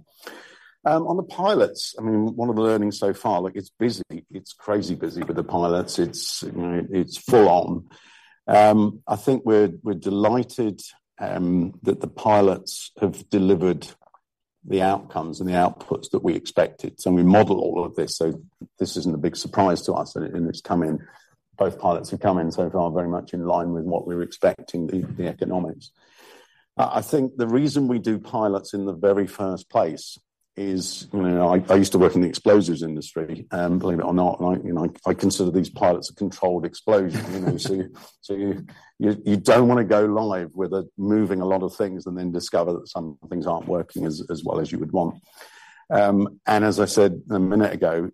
On the pilots, I mean, one of the learnings so far, like, it's busy, it's crazy busy with the pilots. It's, you know, it's full on. I think we're delighted that the pilots have delivered the outcomes and the outputs that we expected. We model all of this isn't a big surprise to us. Both pilots have come in so far, very much in line with what we were expecting, the economics. I think the reason we do pilots in the very first place is, you know, I used to work in the explosives industry, believe it or not, I, you know, I consider these pilots a controlled explosion, you know, so you don't want to go live with it, moving a lot of things and then discover that some things aren't working as well as you would want. As I said a minute ago,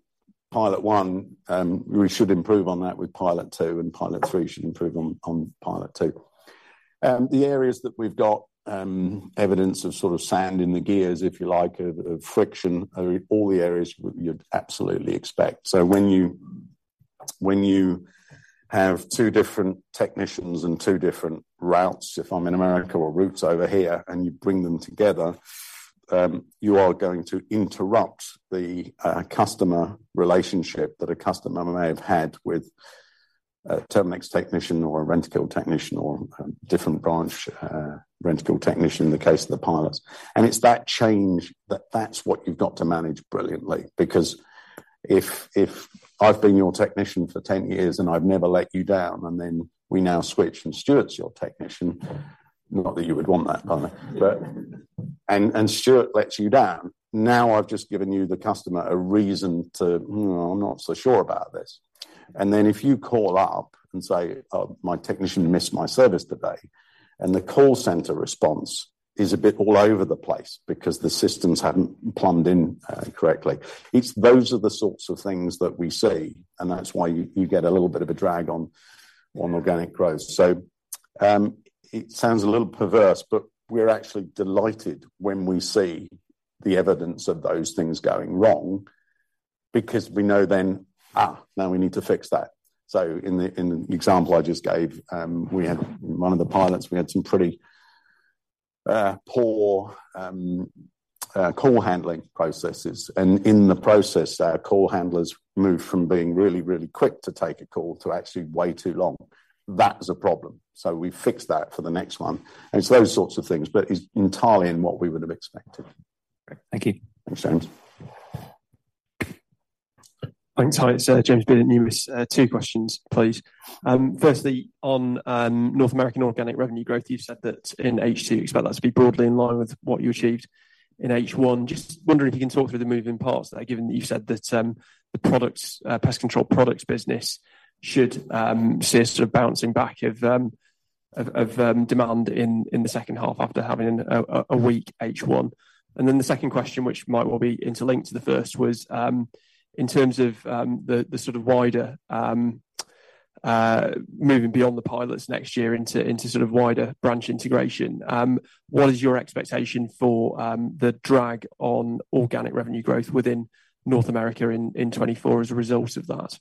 pilot 1, we should improve on that with pilot 2, and pilot 3 should improve on pilot 2. The areas that we've got evidence of sort of sand in the gears, if you like, of friction, are all the areas you'd absolutely expect. When you have 2 different technicians and 2 different routes, if I'm in America or routes over here, and you bring them together, you are going to interrupt the customer relationship that a customer may have had with a Terminix technician or a Rentokil technician or a different branch, Rentokil technician, in the case of the pilots. It's that change, that's what you've got to manage brilliantly. If I've been your technician for 10 years and I've never let you down, then we now switch and Stuart's your technician, not that you would want that, pardon me, and Stuart lets you down, now I've just given you, the customer, a reason to, "Hmm, I'm not so sure about this." If you call up and say, "My technician missed my service today," and the call center response is a bit all over the place because the systems haven't plumbed in correctly. Those are the sorts of things that we see, and that's why you get a little bit of a drag on organic growth. It sounds a little perverse, but we're actually delighted when we see the evidence of those things going wrong because we know then, now we need to fix that. In the example I just gave, we had, in one of the pilots, we had some pretty, poor, call handling processes. In the process, our call handlers moved from being really, really quick to take a call to actually way too long. That was a problem, so we fixed that for the next one. It's those sorts of things, but it's entirely in what we would have expected. Great. Thank you. Thanks, James. Thanks. Hi, it's James from Numis. Two questions, please. Firstly, on North American organic revenue growth, you've said that in H2 you expect that to be broadly in line with what you achieved in H1. Just wondering if you can talk through the moving parts there, given that you've said that the products pest control products business should see a sort of bouncing back of demand in the second half after having a weak H1? The second question, which might well be interlinked to the first, was, in terms of the sort of wider moving beyond the pilots next year into sort of wider branch integration, what is your expectation for the drag on organic revenue growth within North America in 2024 as a result of that?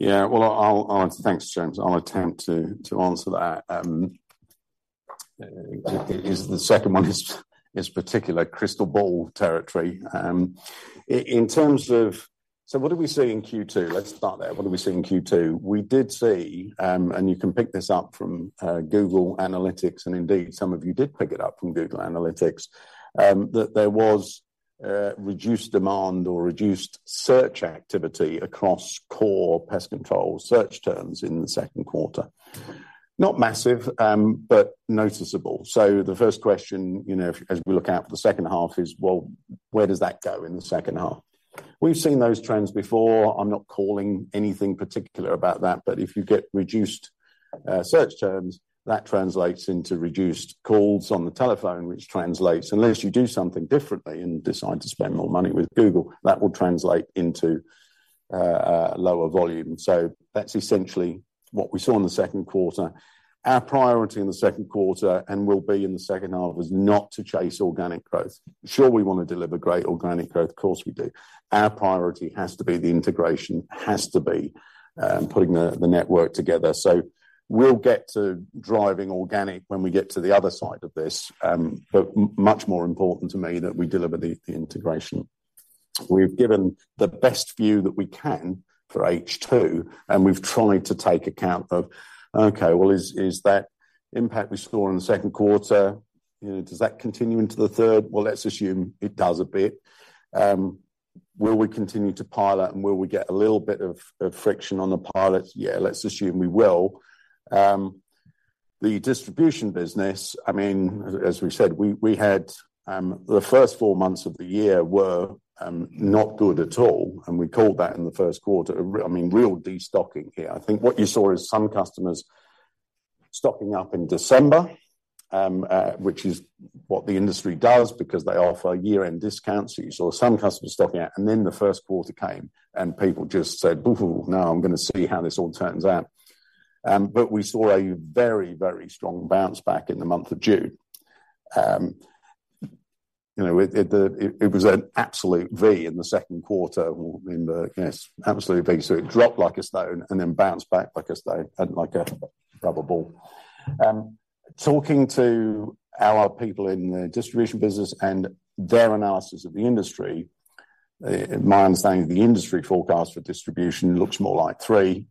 Well, thanks, James. I'll attempt to answer that. The second one is particular crystal ball territory. What did we see in Q2? Let's start there. What did we see in Q2? We did see, you can pick this up from Google Analytics, and indeed, some of you did pick it up from Google Analytics, that there was reduced demand or reduced search activity across core pest control search terms in the Q2. Not massive, noticeable. The first question, you know, if, as we look out for the second half, is, well, where does that go in the second half? We've seen those trends before. I'm not calling anything particular about that, if you get reduced search terms, that translates into reduced calls on the telephone, which translates, unless you do something differently and decide to spend more money with Google, that will translate into a lower volume. That's essentially what we saw in the Q2. Our priority in the Q2, and will be in the second half, is not to chase organic growth. Sure, we want to deliver great organic growth. Of course, we do. Our priority has to be the integration, has to be putting the network together. We'll get to driving organic when we get to the other side of this. Much more important to me that we deliver the integration. We've given the best view that we can for H2. We've tried to take account of, okay, well, is that impact we saw in the Q2, you know, does that continue into the third? Well, let's assume it does a bit. Will we continue to pilot, and will we get a little bit of friction on the pilots? Yeah, let's assume we will. The distribution business, I mean, as we said, we had the first four months of the year were not good at all, and we called that in the Q1. I mean, real destocking here. I think what you saw is some customers stocking up in December, which is what the industry does because they offer year-end discounts. You saw some customers stocking up, and then the Q1 came, and people just said, "Oh, now I'm gonna see how this all turns out." We saw a very, very strong bounce back in the month of June. You know, it was an absolute V in the Q2, yes, absolutely big. It dropped like a stone and then bounced back like a stone and like a rubber ball. Talking to our people in the distribution business and their analysis of the industry, my understanding is the industry forecast for distribution looks more like 3%.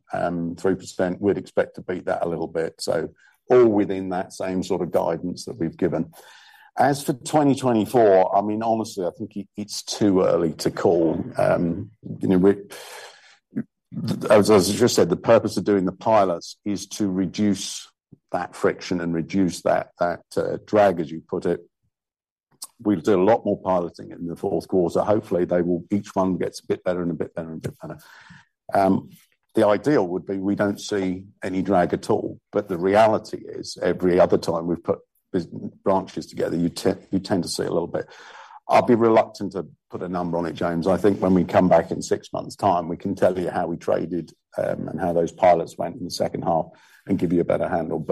We'd expect to beat that a little bit. All within that same sort of guidance that we've given. As for 2024, I mean, honestly, I think it's too early to call. You know, we. As I just said, the purpose of doing the pilots is to reduce that friction and reduce that drag, as you put it. We'll do a lot more piloting in the Q4. Hopefully, they will each one gets a bit better and a bit better and a bit better. The ideal would be we don't see any drag at all, but the reality is, every other time we've put branches together, you tend to see a little bit. I'll be reluctant to put a number on it, James. I think when we come back in 6 months' time, we can tell you how we traded, and how those pilots went in the second half and give you a better handle.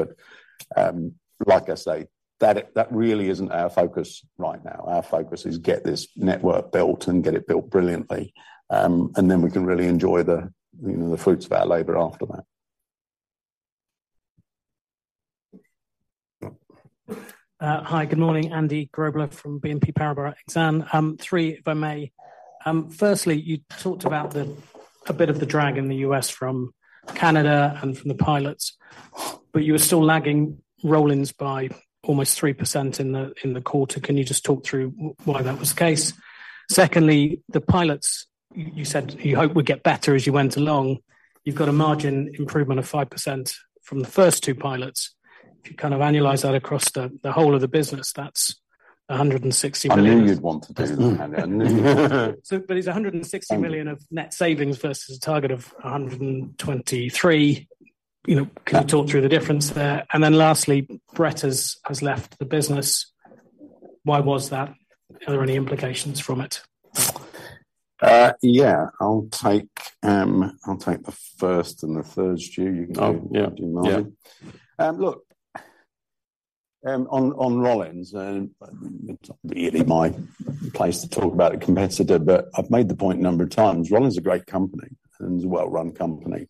Like I say, that really isn't our focus right now. Our focus is get this network built and get it built brilliantly, and then we can really enjoy the, you know, the fruits of our labor after that. Hi, good morning, Andy Grobler from BNP Paribas Exane. 3, if I may. Firstly, you talked about a bit of the drag in the US from Canada and from the pilots, but you were still lagging Rollins by almost 3% in the quarter. Can you just talk through why that was the case? Secondly, the pilots, you said you hope would get better as you went along. You've got a margin improvement of 5% from the first 2 pilots. If you kind of annualize that across the whole of the business, that's 160 million- I knew you'd want to do that. It's 160 million of net savings versus a target of 123 million. You know, can you talk through the difference there? Lastly, Brett has left the business. Why was that? Are there any implications from it? Yeah. I'll take the first and the third, Stu. You can do- Oh, yeah. If you don't mind. Yeah. On Rollins, it's not really my place to talk about a competitor, but I've made the point a number of times. Rollins is a great company, and it's a well-run company.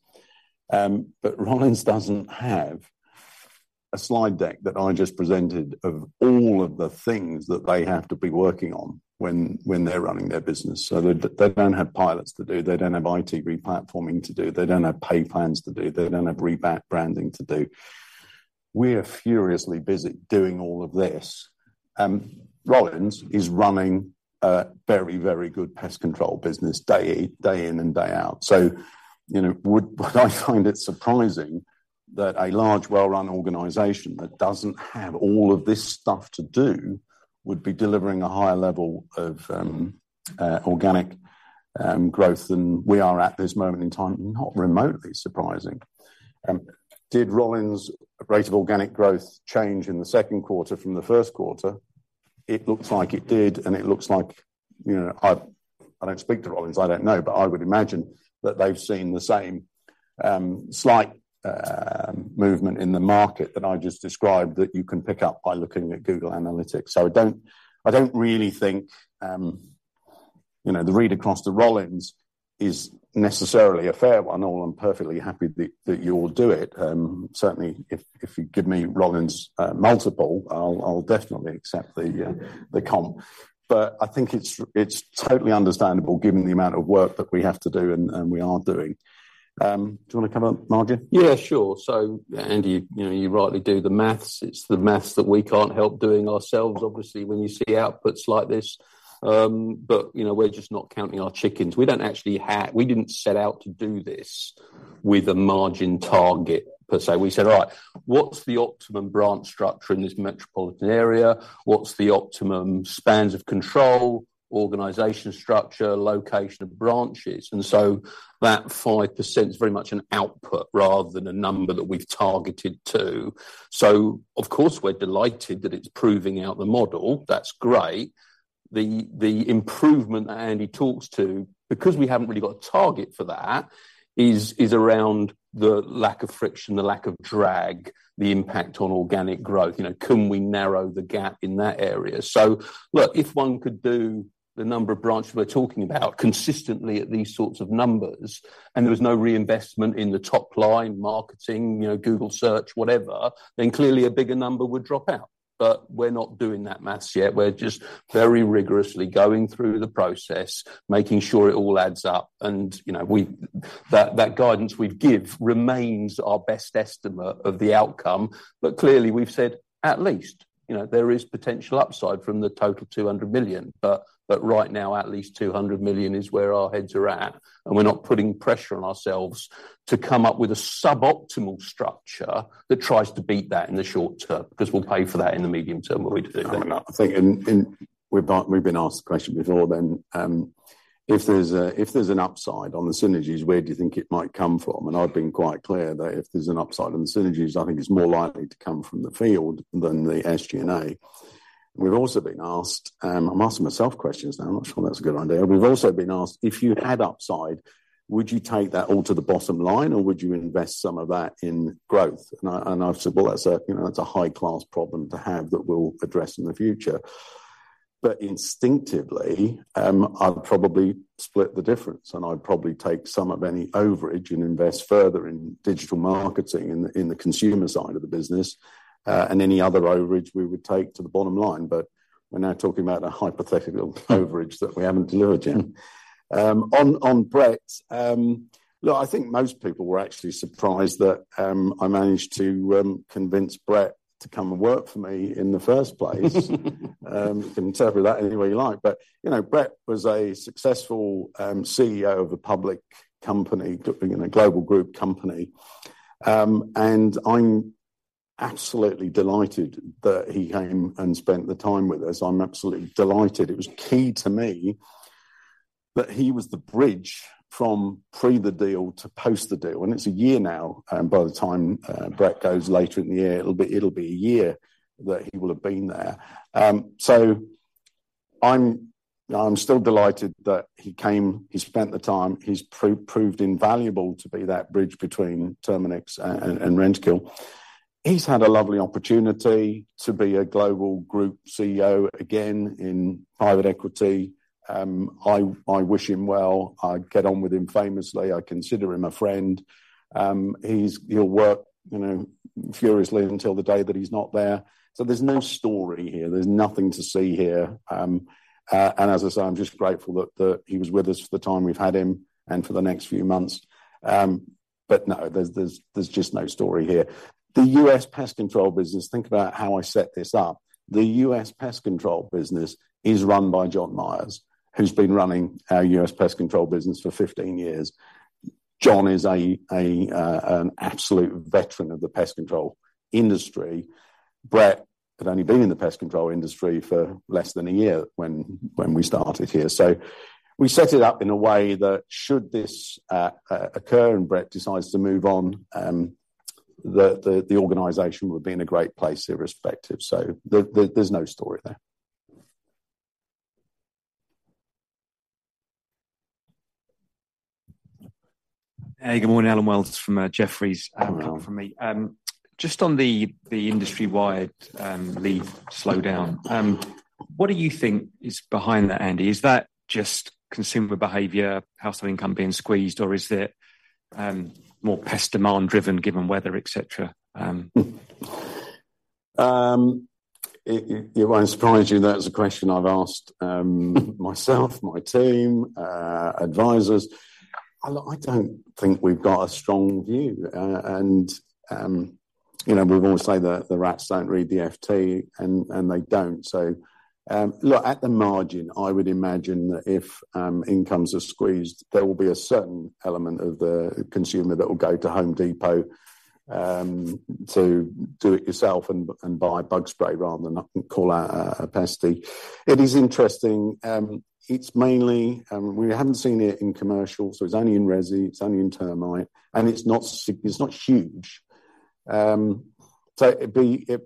Rollins doesn't have a slide deck that I just presented of all of the things that they have to be working on when they're running their business. They don't have pilots to do, they don't have IT replatforming to do, they don't have pay plans to do, they don't have rebrand branding to do. We are furiously busy doing all of this. Rollins is running a very, very good pest control business day in and day out. You know, would I find it surprising that a large, well-run organization that doesn't have all of this stuff to do would be delivering a higher level of organic growth than we are at this moment in time? Not remotely surprising. Did Rollins rate of organic growth change in the Q2 from the Q1? It looks like it did, and it looks like, you know, I don't speak to Rollins, I don't know, but I would imagine that they've seen the same slight movement in the market that I just described, that you can pick up by looking at Google Analytics. I don't really think, you know, the read across to Rollins is necessarily a fair one, although I'm perfectly happy that you all do it. Certainly, if you give me Rollins, multiple, I'll definitely accept the comp. I think it's totally understandable given the amount of work that we have to do and we are doing. Do you want to come up, margin? Yeah, sure. Andy, you know, you rightly do the math. It's the math that we can't help doing ourselves, obviously, when you see outputs like this. You know, we're just not counting our chickens. We didn't set out to do this with a margin target, per se. We said, "All right, what's the optimum branch structure in this metropolitan area? What's the optimum spans of control, organization structure, location of branches?" That 5% is very much an output rather than a number that we've targeted to. Of course, we're delighted that it's proving out the model. That's great. The improvement that Andy talks to, because we haven't really got a target for that, is around the lack of friction, the lack of drag, the impact on organic growth. You know, can we narrow the gap in that area? Look, if one could do the number of branches we're talking about consistently at these sorts of numbers, and there was no reinvestment in the top line, marketing, you know, Google Search, whatever, then clearly a bigger number would drop out. We're not doing that math yet. We're just very rigorously going through the process, making sure it all adds up, and, you know, that guidance we've give remains our best estimate of the outcome. Clearly, we've said at least, you know, there is potential upside from the total 200 million. Right now, at least 200 million is where our heads are at. We're not putting pressure on ourselves to come up with a suboptimal structure that tries to beat that in the short term. We'll pay for that in the medium term when we do come up. I think we've been asked the question before then, if there's an upside on the synergies, where do you think it might come from? I've been quite clear that if there's an upside on the synergies, I think it's more likely to come from the field than the SG&A. We've also been asked, I'm asking myself questions now, I'm not sure that's a good idea. We've also been asked, "If you had upside, would you take that all to the bottom line, or would you invest some of that in growth?" I've said, "Well, that's a, you know, that's a high-class problem to have that we'll address in the future." Instinctively, I'd probably split the difference, and I'd probably take some of any overage and invest further in digital marketing in the consumer side of the business, and any other overage we would take to the bottom line. We're now talking about a hypothetical overage that we haven't delivered yet. On Brett, look, I think most people were actually surprised that I managed to convince Brett to come and work for me in the first place. You can interpret that any way you like. You know, Brett was a successful CEO of a public company, in a global group company. I'm absolutely delighted that he came and spent the time with us. I'm absolutely delighted. It was key to me that he was the bridge from pre the deal to post the deal, it's a year now, by the time Brett goes later in the year, it'll be a year that he will have been there. I'm still delighted that he came. He spent the time. He's proved invaluable to be that bridge between Terminix and Rentokil. He's had a lovely opportunity to be a global group CEO again in private equity. I wish him well. I get on with him famously. I consider him a friend. He's, he'll work, you know, furiously until the day that he's not there. There's no story here. There's nothing to see here. As I say, I'm just grateful that he was with us for the time we've had him and for the next few months. No, there's just no story here. The US Pest Control business, think about how I set this up. The US Pest Control business is run by John Myers, who's been running our US Pest Control business for 15 years. John is an absolute veteran of the pest control industry. Brett had only been in the pest control industry for less than a year when we started here. We set it up in a way that should this occur, and Brett decides to move on, the organization would be in a great place irrespective. There's no story there. Hey, good morning, Adam Welds from Jefferies. Hello. Just on the industry-wide, the slowdown, what do you think is behind that, Andy? Is that just consumer behavior, household income being squeezed, or is it, more pest demand driven, given weather, et cetera? It won't surprise you that's a question I've asked myself, my team, advisors. I don't think we've got a strong view. You know, we've always said that the rats don't read the FT, and they don't. Look, at the margin, I would imagine that if incomes are squeezed, there will be a certain element of the consumer that will go to Home Depot to do it yourself and buy bug spray rather than call out a pestie. It is interesting, it's mainly, we haven't seen it in commercial, so it's only in resi, it's only in termite, and it's not huge. It'd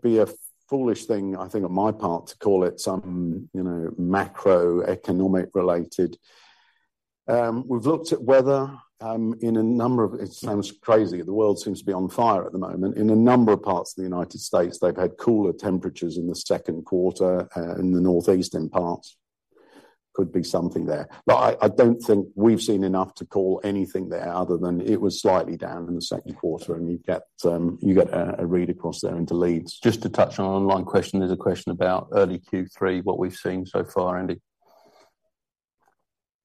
be a foolish thing, I think, on my part, to call it some, you know, macroeconomic related. We've looked at weather. It sounds crazy, the world seems to be on fire at the moment. In a number of parts of the United States, they've had cooler temperatures in the Q2, in the northeastern parts. Could be something there. I don't think we've seen enough to call anything there other than it was slightly down in the Q2, and you get a read across there into leads. Just to touch on an online question. There's a question about early Q3, what we've seen so far, Andy.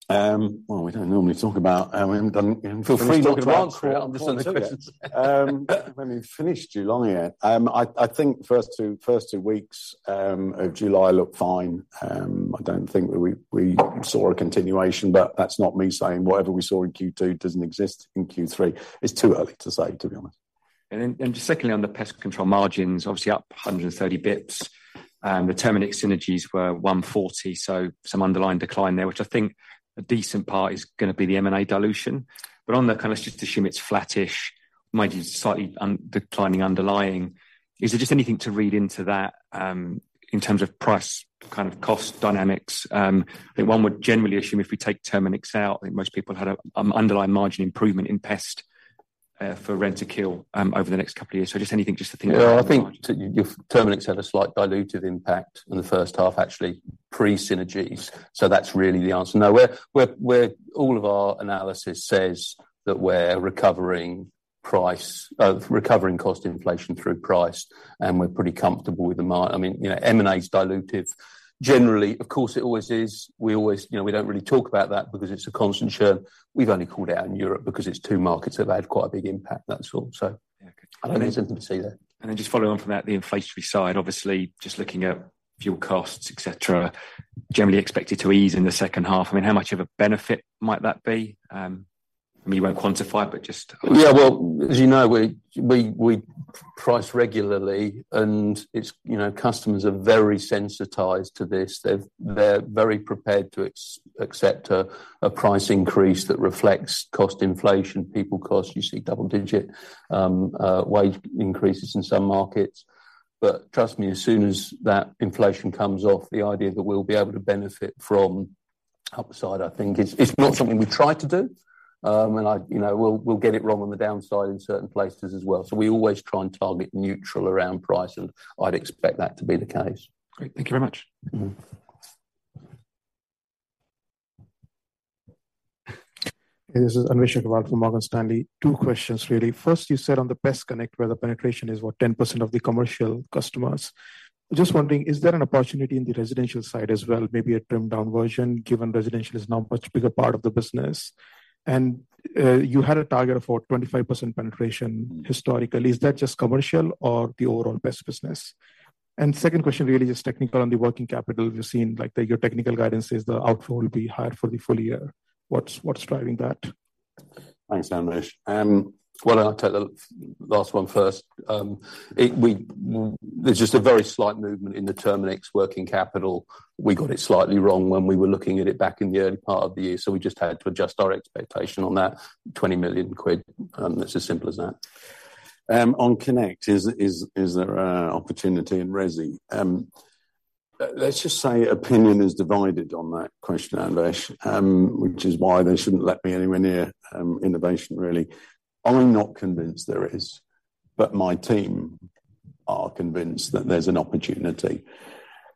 Well, we don't normally talk about. Feel free not to answer it, I understand the question. We haven't finished July yet. I think the first 2 weeks of July look fine. I don't think we saw a continuation. That's not me saying whatever we saw in Q2 doesn't exist in Q3. It's too early to say, to be honest. Secondly, on the pest control margins, obviously up 130 basis points, and the Terminix synergies were 140, so some underlying decline there, which I think a decent part is gonna be the M&A dilution. On the kind of, just assume it's flattish, might be slightly un- declining underlying, is there just anything to read into that in terms of price, kind of cost dynamics? I think one would generally assume if we take Terminix out, I think most people had a underlying margin improvement in pest for Rentokil over the next couple of years. Just anything, just to think... I think Terminix had a slight dilutive impact in the first half, actually, pre-synergies. That's really the answer. We're all of our analysis says that we're recovering price, recovering cost inflation through price, and we're pretty comfortable with the I mean, you know, M&A is dilutive. Generally, of course, it always is. We always, you know, we don't really talk about that because it's a constant churn. We've only called it out in Europe because it's two markets that have had quite a big impact, that's all. Yeah, okay. I don't have anything to say there. Just following on from that, the inflationary side, obviously, just looking at fuel costs, et cetera, generally expected to ease in the second half. I mean, how much of a benefit might that be? I mean, you won't quantify it. Yeah, well, as you know, we price regularly, and it's, you know, customers are very sensitized to this. They're very prepared to accept a price increase that reflects cost inflation. People costs, you see double-digit wage increases in some markets. Trust me, as soon as that inflation comes off, the idea that we'll be able to benefit from upside, I think it's not something we've tried to do. I, you know, we'll get it wrong on the downside in certain places as well. We always try and target neutral around price, and I'd expect that to be the case. Great. Thank you very much. Mm-hmm. This is Anish Kumar from Morgan Stanley. Two questions, really. First, you said on the PestConnect, where the penetration is, what, 10% of the commercial customers. Just wondering, is there an opportunity in the residential side as well, maybe a trimmed-down version, given residential is now a much bigger part of the business? You had a target of about 25% penetration historically. Is that just commercial or the overall pest business? Second question, really, just technical on the working capital. We've seen, like, your technical guidance is the outflow will be higher for the full year. What's, what's driving that? Thanks, Anish. Well, I'll take the last one first. There's just a very slight movement in the Terminix working capital. We got it slightly wrong when we were looking at it back in the early part of the year. We just had to adjust our expectation on that 20 million quid, it's as simple as that. On Connect, is there an opportunity in resi? Let's just say opinion is divided on that question, Anvesh, which is why they shouldn't let me anywhere near innovation, really. I'm not convinced there is. My team are convinced that there's an opportunity.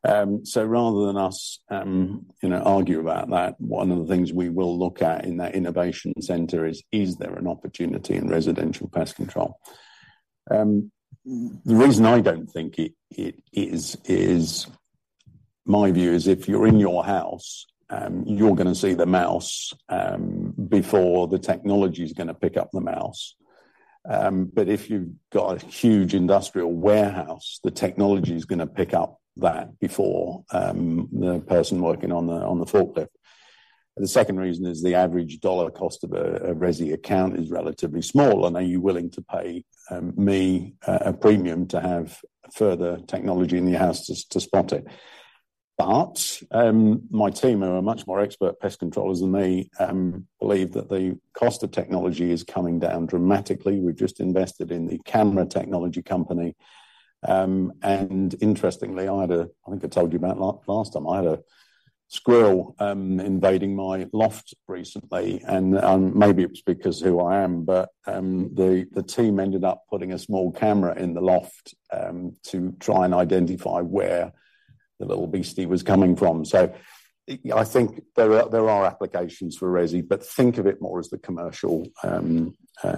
Rather than us, you know, argue about that, one of the things we will look at in that innovation center is: Is there an opportunity in residential pest control? The reason I don't think it is my view is if you're in your house, you're gonna see the mouse before the technology is gonna pick up the mouse. If you've got a huge industrial warehouse, the technology is gonna pick up that before the person working on the, on the forklift. The second reason is the average dollar cost of a resi account is relatively small, and are you willing to pay me a premium to have further technology in your house to spot it? My team, who are much more expert pest controllers than me, believe that the cost of technology is coming down dramatically. We've just invested in the camera technology company. Interestingly, I think I told you about last time, I had a. squirrel invading my loft recently, and maybe it's because who I am, but the team ended up putting a small camera in the loft to try and identify where the little beastie was coming from. I think there are applications for resi, but think of it more as the commercial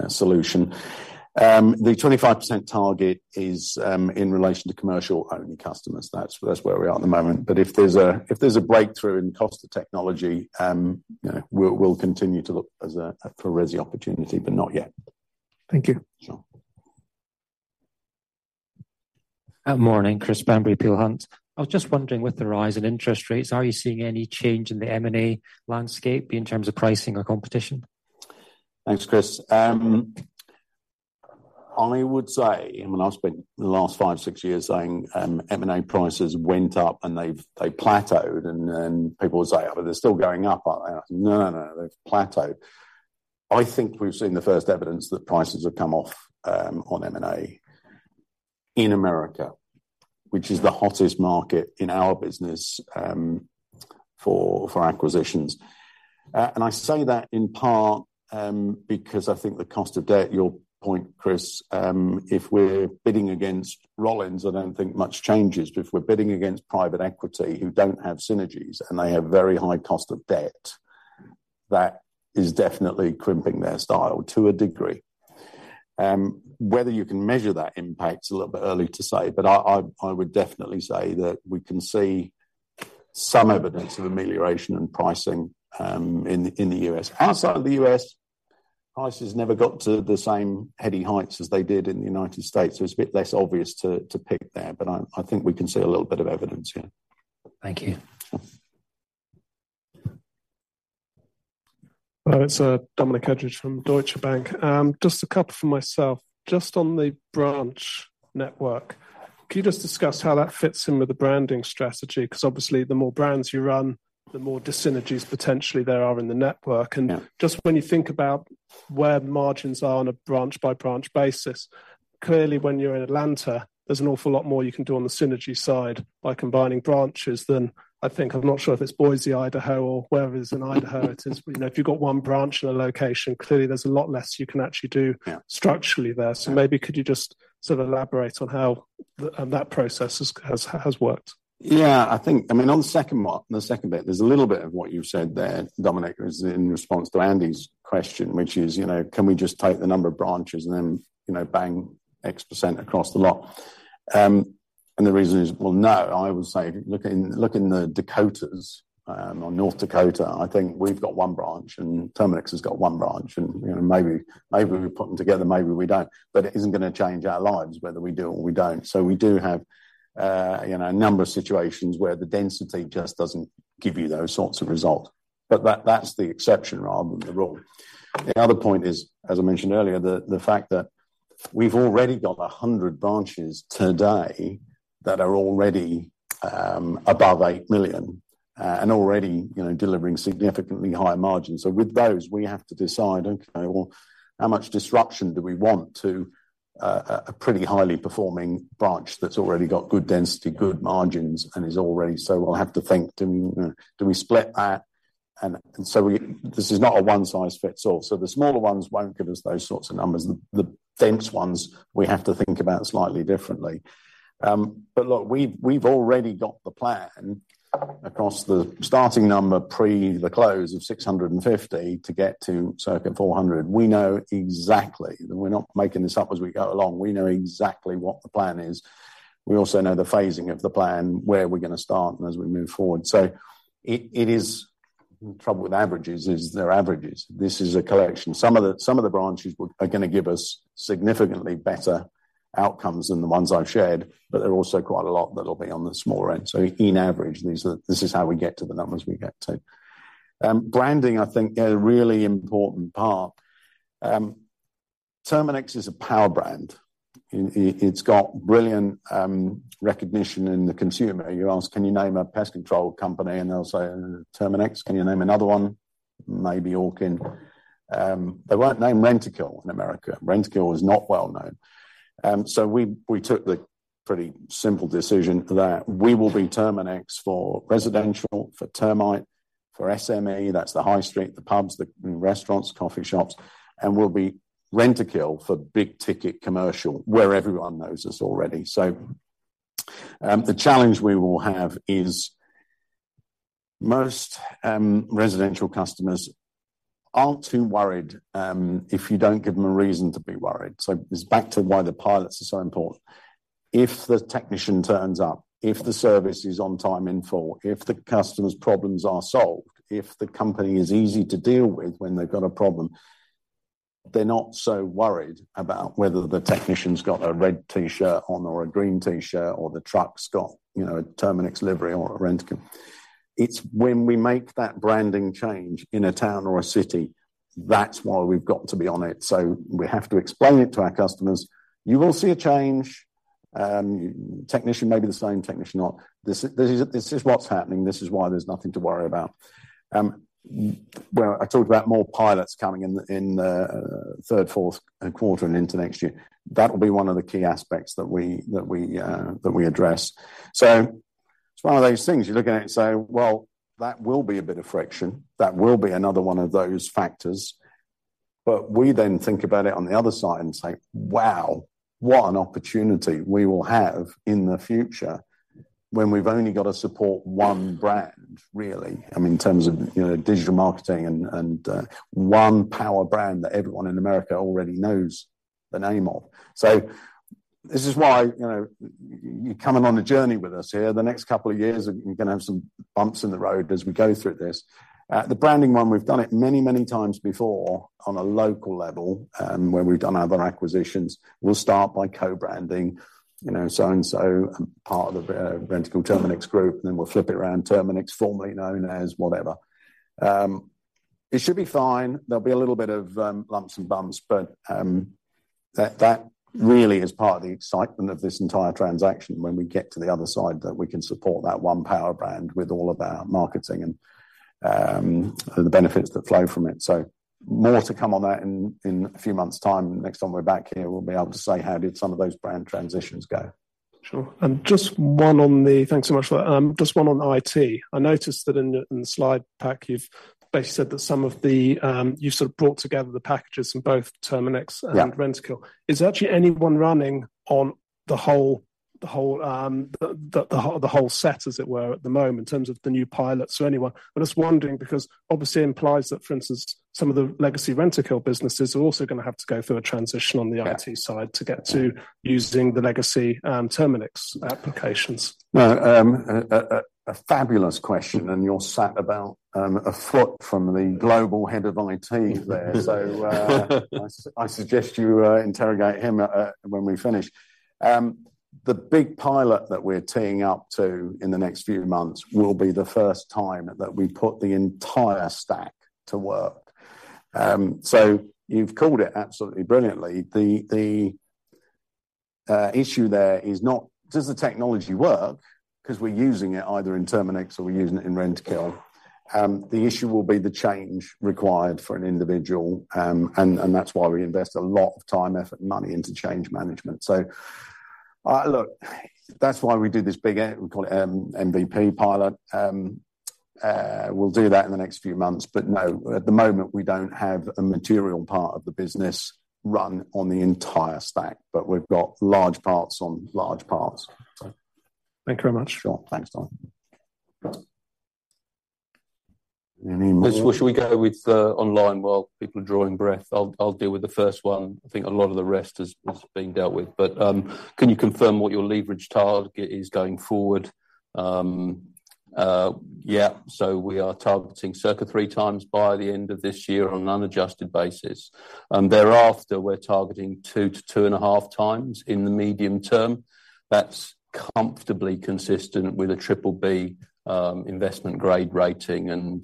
solution. The 25% target is in relation to commercial only customers. That's where we are at the moment. If there's a breakthrough in cost of technology, you know, we'll continue to look for resi opportunity, but not yet. Thank you. Sure. Good morning, Christopher Bamberry, Peel Hunt. I was just wondering, with the rise in interest rates, are you seeing any change in the M&A landscape in terms of pricing or competition? Thanks, Chris. I would say, and I've spent the last 5, 6 years saying, M&A prices went up, and they've, they plateaued, and then people would say, "Oh, but they're still going up, aren't they?" No, no, they've plateaued. I think we've seen the first evidence that prices have come off on M&A in America, which is the hottest market in our business for acquisitions. I say that in part because I think the cost of debt, your point, Chris, if we're bidding against Rollins, I don't think much changes. If we're bidding against private equity who don't have synergies, and they have very high cost of debt, that is definitely crimping their style to a degree. Whether you can measure that impact is a little bit early to say, but I would definitely say that we can see some evidence of amelioration and pricing in the US. Outside of the US, prices never got to the same heady heights as they did in the United States, so it's a bit less obvious to pick there, but I think we can see a little bit of evidence, yeah. Thank you. Sure. Hi, it's Dominic Edridge from Deutsche Bank. Just a couple from myself. Just on the branch network, can you just discuss how that fits in with the branding strategy? Obviously, the more brands you run, the more dis-synergies potentially there are in the network. Yeah. Just when you think about where the margins are on a branch-by-branch basis, clearly, when you're in Atlanta, there's an awful lot more you can do on the synergy side by combining branches than, I think, I'm not sure if it's Boise, Idaho, or wherever it is in Idaho it is. You know, if you've got one branch in a location, clearly there's a lot less you can actually do. Yeah structurally there. Yeah. Maybe could you just sort of elaborate on how that process has worked? I think, on the second one, the second bit, there's a little bit of what you've said there, Dominic, is in response to Andy's question, which is, you know, can we just take the number of branches and then, you know, bang X% across the lot? The reason is, well, no, I would say look in the Dakotas, or North Dakota, I think we've got 1 branch, and Terminix has got 1 branch, you know, maybe we put them together, maybe we don't. It isn't going to change our lives whether we do or we don't. We do have, you know, a number of situations where the density just doesn't give you those sorts of result. That's the exception rather than the rule. The other point is, as I mentioned earlier, the fact that we've already got 100 branches today that are already above 8 million and already, you know, delivering significantly higher margins. With those, we have to decide, okay, well, how much disruption do we want to a pretty highly performing branch that's already got good density, good margins, and is already. We'll have to think, do we, you know, do we split that? This is not a one-size-fits-all. The smaller ones won't give us those sorts of numbers. The dense ones we have to think about slightly differently. Look, we've already got the plan across the starting number, pre the close of 650 to get to circa 400. We know exactly, and we're not making this up as we go along, we know exactly what the plan is. We also know the phasing of the plan, where we're going to start and as we move forward. It is, the trouble with averages is they're averages. This is a collection. Some of the branches are going to give us significantly better outcomes than the ones I've shared, but there are also quite a lot that will be on the smaller end. In average, this is how we get to the numbers we get to. Branding, I think, a really important part. Terminix is a power brand. It's got brilliant recognition in the consumer. You ask, "Can you name a pest control company?" They'll say, "Terminix." "Can you name another one?" "Maybe Orkin." They won't name Rentokil in America. Rentokil is not well known. We took the pretty simple decision that we will be Terminix for residential, for termite, for SME, that's the high street, the pubs, the restaurants, coffee shops, and we'll be Rentokil for big-ticket commercial, where everyone knows us already. The challenge we will have is most residential customers aren't too worried if you don't give them a reason to be worried. It's back to why the pilots are so important. If the technician turns up, if the service is on time, in full, if the customer's problems are solved, if the company is easy to deal with when they've got a problem, they're not so worried about whether the technician's got a red T-shirt on or a green T-shirt, or the truck's got, you know, a Terminix livery or a Rentokil. It's when we make that branding change in a town or a city, that's why we've got to be on it. We have to explain it to our customers. You will see a change, technician may be the same technician or. This is what's happening. This is why there's nothing to worry about. When I talked about more pilots coming in third, fourth, and quarter and into next year, that will be one of the key aspects that we address. It's one of those things you look at it and say, well, that will be a bit of friction. That will be another one of those factors. We then think about it on the other side and say, "Wow, what an opportunity we will have in the future when we've only got to support one brand, really." I mean, in terms of, you know, digital marketing and one power brand that everyone in America already knows the name of. This is why, you know, you're coming on a journey with us here. The next couple of years are you're gonna have some bumps in the road as we go through this. The branding one, we've done it many, many times before on a local level, where we've done other acquisitions. We'll start by co-branding, you know, so-and-so, part of the Rentokil Terminix group, and then we'll flip it around, Terminix, formerly known as whatever. It should be fine. There'll be a little bit of lumps and bumps, but that really is part of the excitement of this entire transaction when we get to the other side, that we can support that one power brand with all of our marketing and the benefits that flow from it. More to come on that in a few months' time. Next time we're back here, we'll be able to say how did some of those brand transitions go? Sure. Thanks so much for that. Just one on IT. I noticed that in the, in the slide pack, you've basically said that some of the, you sort of brought together the packages from both Terminix. Yeah... Rentokil. Is there actually anyone running on the whole set, as it were, at the moment, in terms of the new pilots or anyone? I'm just wondering, obviously implies that, for instance, some of the legacy Rentokil businesses are also gonna have to go through a transition on the IT side. Yeah to get to using the legacy, Terminix applications. A fabulous question, you're sat about a foot from the global head of IT there. I suggest you interrogate him when we finish. The big pilot that we're teeing up to in the next few months will be the first time that we put the entire stack to work. You've called it absolutely brilliantly. The issue there is not does the technology work? 'Cause we're using it either in Terminix or we're using it in Rentokil. The issue will be the change required for an individual, and that's why we invest a lot of time, effort, and money into change management. Look, that's why we do this big, we call it MVP pilot. We'll do that in the next few months, but no, at the moment, we don't have a material part of the business run on the entire stack, but we've got large parts on large parts. Thank you very much. Sure. Thanks, Dom. Any more? Should we go with online while people are drawing breath? I'll deal with the first one. I think a lot of the rest has been dealt with. Can you confirm what your leverage target is going forward? We are targeting circa 3 times by the end of this year on an unadjusted basis. Thereafter, we're targeting 2 to 2.5 times in the medium term. That's comfortably consistent with a BBB investment grade rating.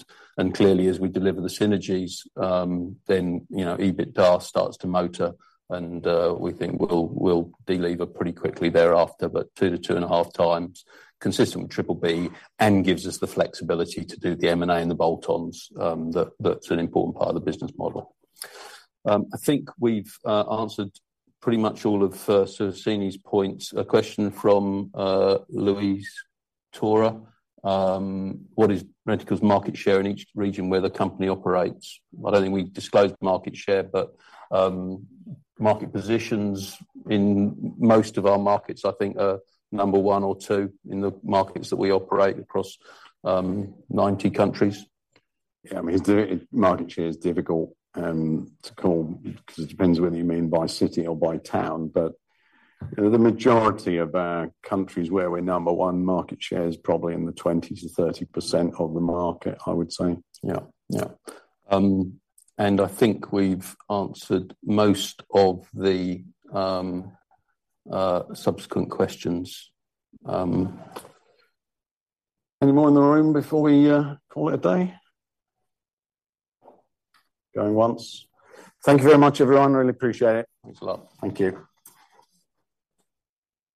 Clearly, as we deliver the synergies, you know, EBITDA starts to motor, and we think we'll deliver pretty quickly thereafter. 2 to 2.5 times, consistent with BBB and gives us the flexibility to do the M&A and the bolt-on's that's an important part of the business model. I think we've answered pretty much all of Sarseni's points. A question from Louise Tora: What is Rentokil's market share in each region where the company operates? I don't think we've disclosed market share, but market positions in most of our markets, I think, are number one or two in the markets that we operate across 90 countries. Yeah, I mean, the market share is difficult to call because it depends whether you mean by city or by town. You know, the majority of our countries where we're number one, market share is probably in the 20%-30% of the market, I would say. Yeah, yeah. I think we've answered most of the subsequent questions. Any more in the room before we call it a day? Going once. Thank you very much, everyone. Really appreciate it. Thanks a lot. Thank you.